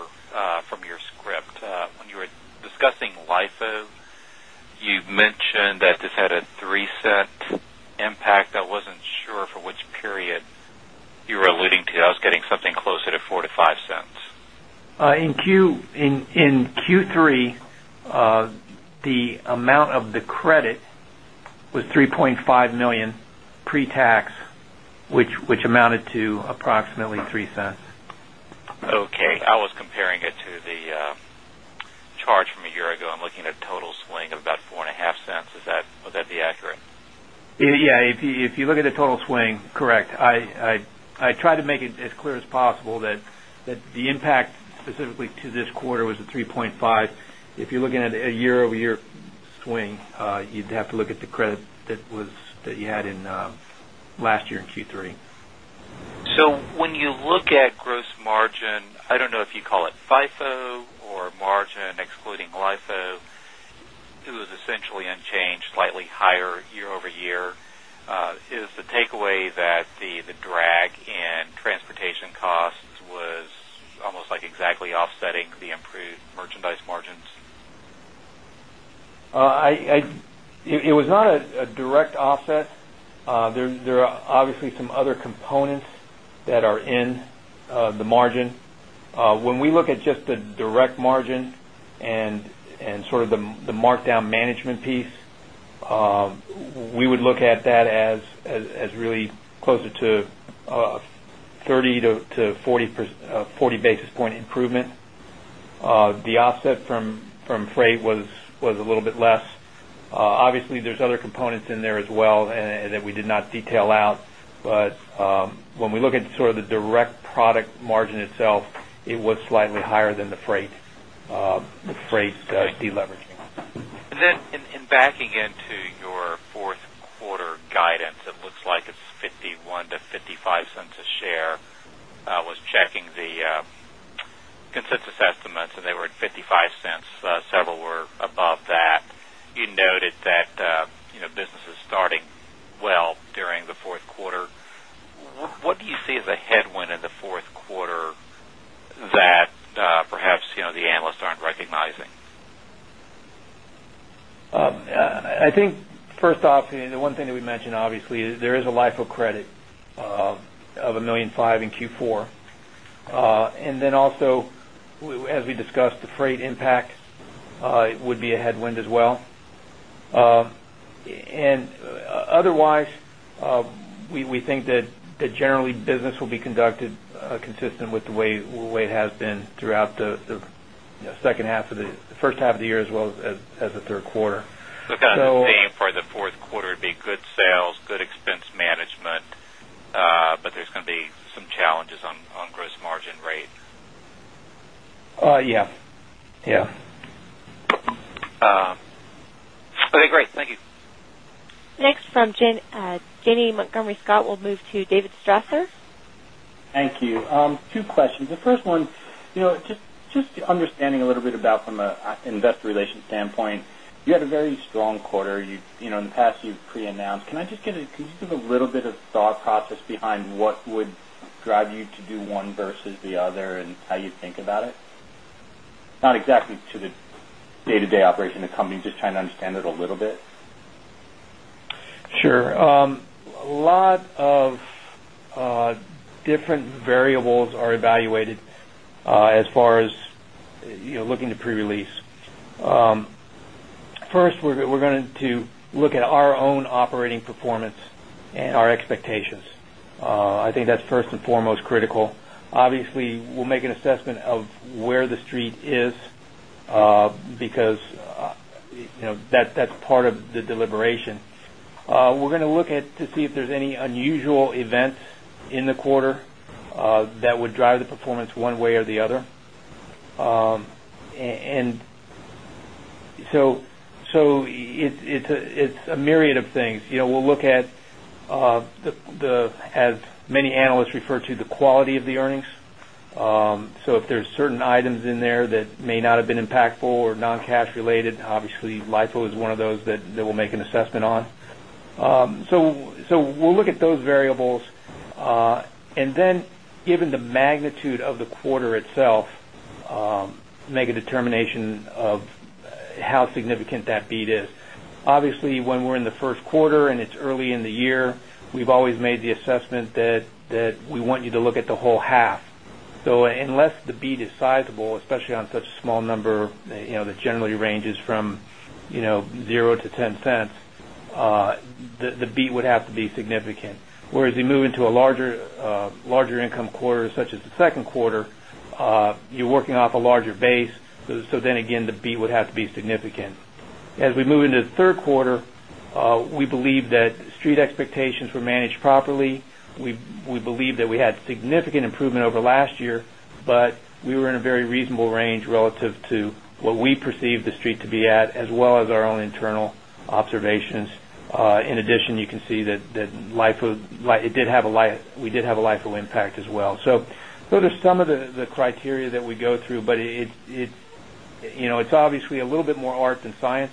from your script. When you were discussing LIFO, you mentioned that this had a $0.03 impact, I wasn't sure for which period you were alluding to us getting something closer to 0.0 $4 to 0 point 0 $5? In Q3, the amount of the credit was 3.5 $1,000,000 pre tax, which amounted to approximately $0.03 Okay. I was comparing it to the charge from a year ago. I'm looking at total swing of about $0.045 Is that the accurate? Yes. If you look at the point 5. If you're looking at a year over year swing, you point 5. If you're looking at a year over year swing, you'd have to look at the credit that was that you had in last year in Q3. So when you look at gross margin, I don't know if you call it FIFO or margin excluding LIFO, it was essentially unchanged slightly higher year over year. Is the takeaway that the drag in transportation costs was almost like exactly offsetting the improved merchandise margins? It was not a direct offset. There are obviously some other components that are in the margin. We look at just the direct margin and sort of the markdown management piece, we would look at that as really closer to 30 basis point improvement. The offset from freight was a little bit less. Obviously, there's other components in there as well that we did not detail out. But when we look at sort of the direct product the freight deleveraging. And then in backing into your 4th quarter guidance, it looks like it's $0.51 to $0.55 a share. I was checking the consensus estimates and they were at $0.55 several were above that. You noted that business is starting well during the Q4. What do you see as a headwind in the Q4 that perhaps the analysts aren't recognizing? I think first the one thing that we mentioned obviously is there is a LIFO credit of $1,500,000 in Q4. And then also, as we discussed, think that generally business will be conducted consistent with the way it has been throughout the second half of the first half of the year as well as the Q3. So kind of thing for the Q4, it'd be good sales, good expense management, but there's going to be some Okay, great. Thank you. Next from Janney Montgomery Scott, we'll move to David Strausser. Thank you. Two questions. The first one, just understanding a little bit about from an Investor Relations standpoint, you had a very strong quarter. In the can you give a little bit of thought process behind what would drive you to do one versus the other and how you think about it? Not exactly to the day to day operation of the company, just trying to understand it a little bit. Sure. A lot of different variables are evaluated as far as looking to pre release. First, we're going to look at our own operating performance and our expectations. I think that's 1st and foremost critical. Obviously, we'll make an assessment of where the Street is because that's part of the deliberation. We're going to look at to see if there's any unusual events in the quarter that would drive the performance one way or the other. And so it's a myriad of things. We'll look at the as many analysts refer to the quality of the earnings. So if there's certain items in there that may not have been impactful or non cash related, Obviously, LIFO is one of those that we'll make an assessment on. So we'll look at those variables. And then given the magnitude of the quarter itself, make a determination of how significant that beat is. Obviously, when we're in the Q1 and it's early in the year, we've always made the assessment that we want you to look at the whole half. So unless the beat is sizable, especially on such a small number that generally ranges from 0 to 0 point the beat would have to be significant. Whereas we move into a larger income quarter such as the Q2, you're working off a larger base. So then again, the beat would have to be significant. As we move into the Q3, we believe that Street expectations were managed properly. We believe that we had significant improvement over last year, but we were in a very reasonable range relative to what we perceive the Street to be at as well as our own internal observations. In addition, you can see that LIFO it did have a LIFO impact as well. So those are some of the criteria that we go through, but it's obviously a little bit more art and science.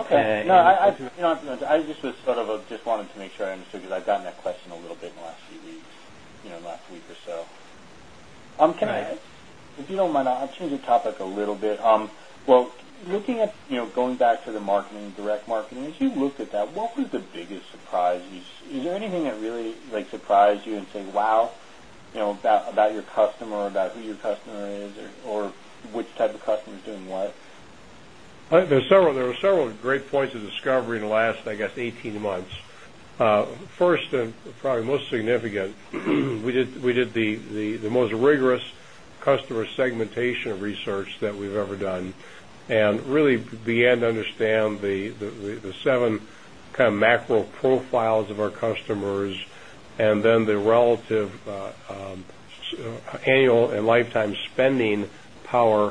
Okay. No, I just was sort of just wanted to make sure I understood because I've gotten that question a little bit in the last few weeks, last week or so. If you don't mind, I'll change the topic a little bit. Looking at going back to the marketing, direct marketing, as you look at that, what was the biggest surprise? Is there anything that really like surprised you and say, wow, about your customer, about who your customer is or which type of customer is doing what? There are several great points of discovery in the last, I guess, 18 months. First and probably most significant, we did the most rigorous customer segmentation research that we've ever done and really began to understand the 7 kind of macro profiles of our customers and then the relative annual and lifetime spending by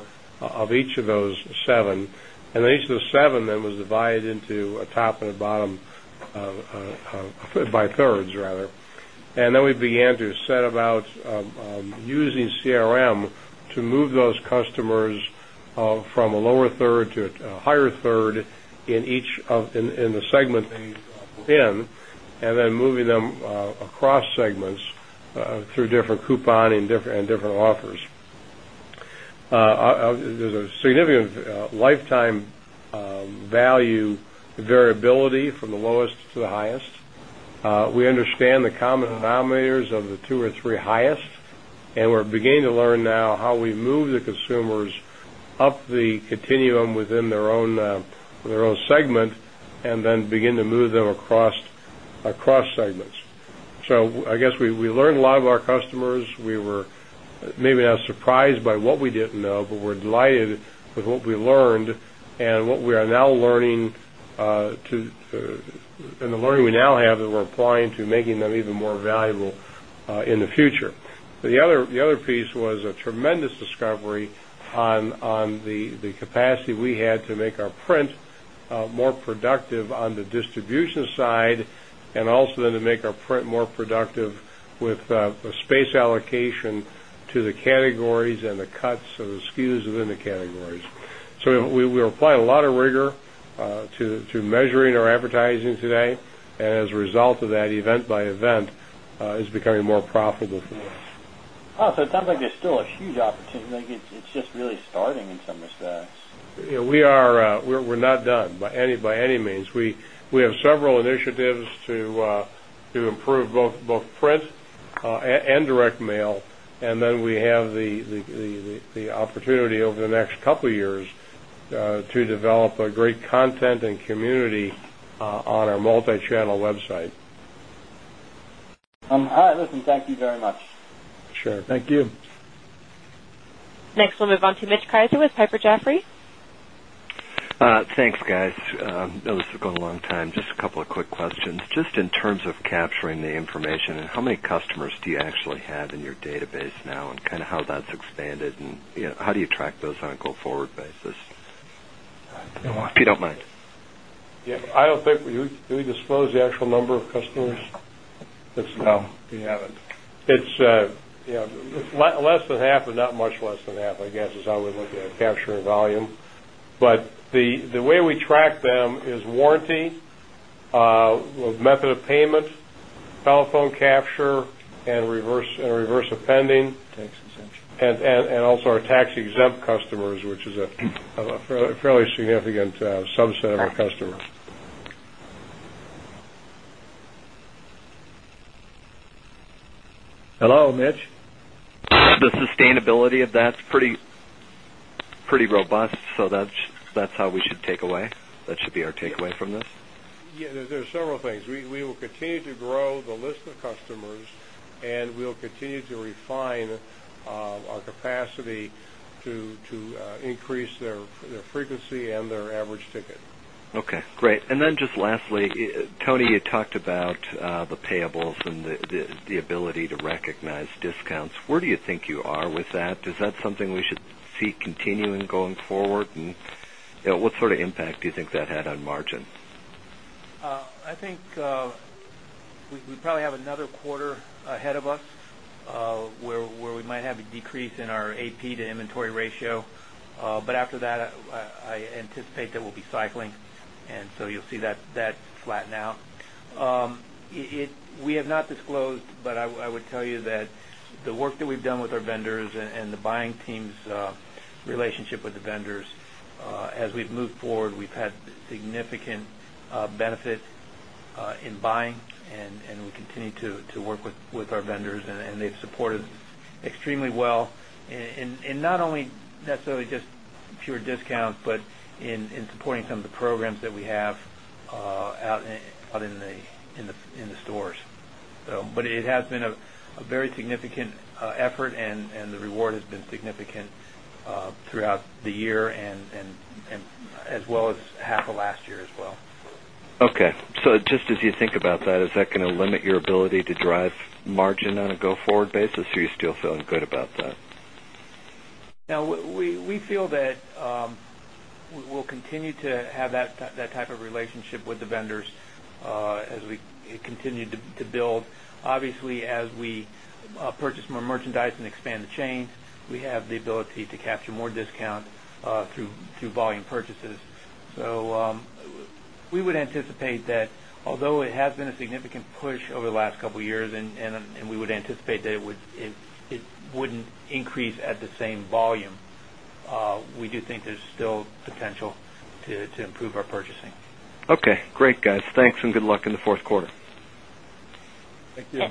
thirds rather. And then we began to set about using CRM to move are in and then moving them across segments through different couponing and different offers. There's a significant lifetime value variability from the lowest to the highest. We understand the common denominators of the 2 or 3 highest and we're beginning to learn now how we move the consumers up the continuum within their own segment and then begin to move them across segments. So, I guess we learned a lot of our customers. We were maybe not surprised by what we didn't know, but we're delighted with what we learned and what we are now learning to and the learning we now have that we're applying to making them even more valuable in the future. The other piece was a tremendous discovery on the capacity we had to make our print more productive on the distribution side and also then to make our print more productive with space allocation to the categories and the cuts or the SKUs within the categories. So we will apply a lot of rigor to measuring our advertising today. And as a result of that, event by event, is becoming more profitable for us. So, it sounds like there's still a huge opportunity. It's just really starting in some respects. We are not done by any means. We have several initiatives to improve both print and direct mail and then we have the opportunity over the next couple years to develop a great content and community on our multichannel website. All right. Listen, thank you very much. Sure. Thank you. Next, we'll move on to Mitch Krieser with Piper Jaffray. Thanks guys. I know this has gone a long time. Just a couple of quick questions. Just in terms of capturing the information and how many customers do you actually have in your database now and kind of how that's expanded and how do you track those on a go forward basis, if you don't mind? Yes, I don't think do we disclose the actual number of customers? No, we haven't. It's less than half, but not much less than half, I guess, is how we look at capturing volume. But the way we track them is warranty, tax exempt customers, which is a fairly significant subset of our customer. Hello, Mitch? The sustainability of that's pretty robust. So that's how we should take away. That should be our takeaway from this? Yes. There are several things. We will continue to grow the list of customers and we'll continue to refine our capacity to increase their frequency and their average ticket. And then just lastly, Tony, you talked about the payables and the ability to recognize discounts. Where do you think you are with that? Is that something we should see continuing going forward? And what sort of impact do you think that had on margin? I think we probably have another quarter ahead of us where we might have a decrease in our AP to inventory ratio. But after that, I anticipate that we'll be cycling. And so you'll see that flatten out. We have not disclosed, but I would tell you that the extremely well in not only necessarily just pure discounts, but in supporting some of the programs that we have out in the stores. But it has been a very significant effort and the reward has been significant throughout the year and as well as half of last year as well. Okay. So just as you think about that, is that going to limit your ability to drive margin on a go forward basis? Are you still feeling good about that? No, we feel that we'll continue to have that type of relationship with the vendors as we continue to build. Obviously, as we purchase more merchandise and expand the chains, we have the ability to capture more discount through volume purchases. So we would anticipate that although it has been a significant push over the last couple of years and we would anticipate that it wouldn't increase at the same volume. We do think there's still potential to improve our purchasing. Okay, great guys. Thanks and good luck in the Q4. Thank you.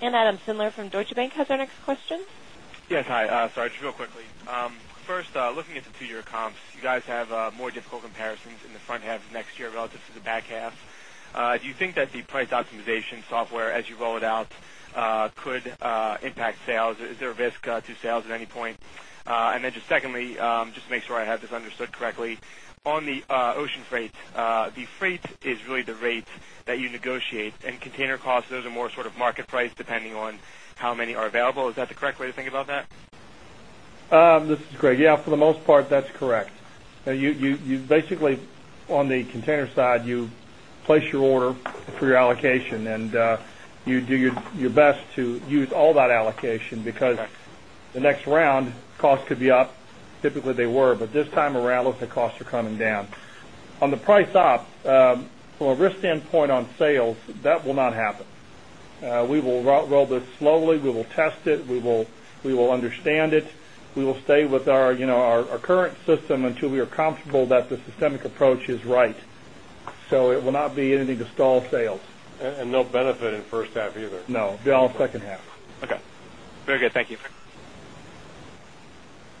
And Adam Sindler from Deutsche Bank has our next question. Yes. Hi. Sorry, just real quickly. First, looking at the 2 year comps, you guys have more difficult comparisons in the front half of next year relative to the back half. Do you think that the price optimization software as you roll it out could impact sales? Is there a risk to sales at any point? And then just secondly, just to make sure I have this understood correctly. On the ocean freight, the freight is really the rate that you negotiate and container costs, those are more sort of market price depending on how many are available. Is that the correct way to think about that? This is Greg. Yes, for the most part, that's correct. You basically on the container side, you place your order for your allocation and you do your best to use all that allocation because the next cost could be up. Typically, they were, but this time around, look, the costs are coming down. On the price up, from a risk standpoint sales, that will not happen. We will roll this slowly. We will test it. We will understand it. We will stay with our current system until we are comfortable that the systemic approach is right. No benefit in first half either? No, they're all second half. Okay. Very good. Thank you.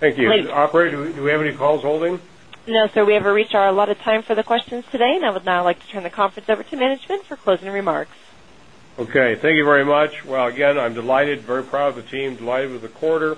Thank you. Operator, do we have any calls holding? No, sir. We have reached our allotted time for the questions today. I would now like to turn the conference over to management for closing remarks. Okay. Thank you very much. Well, again, I'm delighted, very proud of the team, delighted with the quarter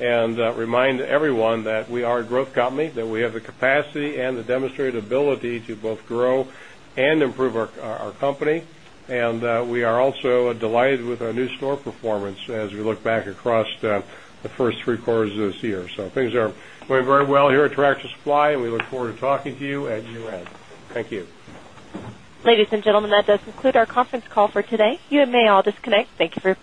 and remind everyone that we are a growth company, that we have the capacity and the demonstrated ability to both grow and improve our company. And we are also delighted with our new store performance as we look back across the 1st 3 quarters of this year. So things are going very well here at Tractor Supply, and we look forward to talking to you at year end. Thank you. Ladies and gentlemen, that does conclude our conference call for today. You may all disconnect. Thank you for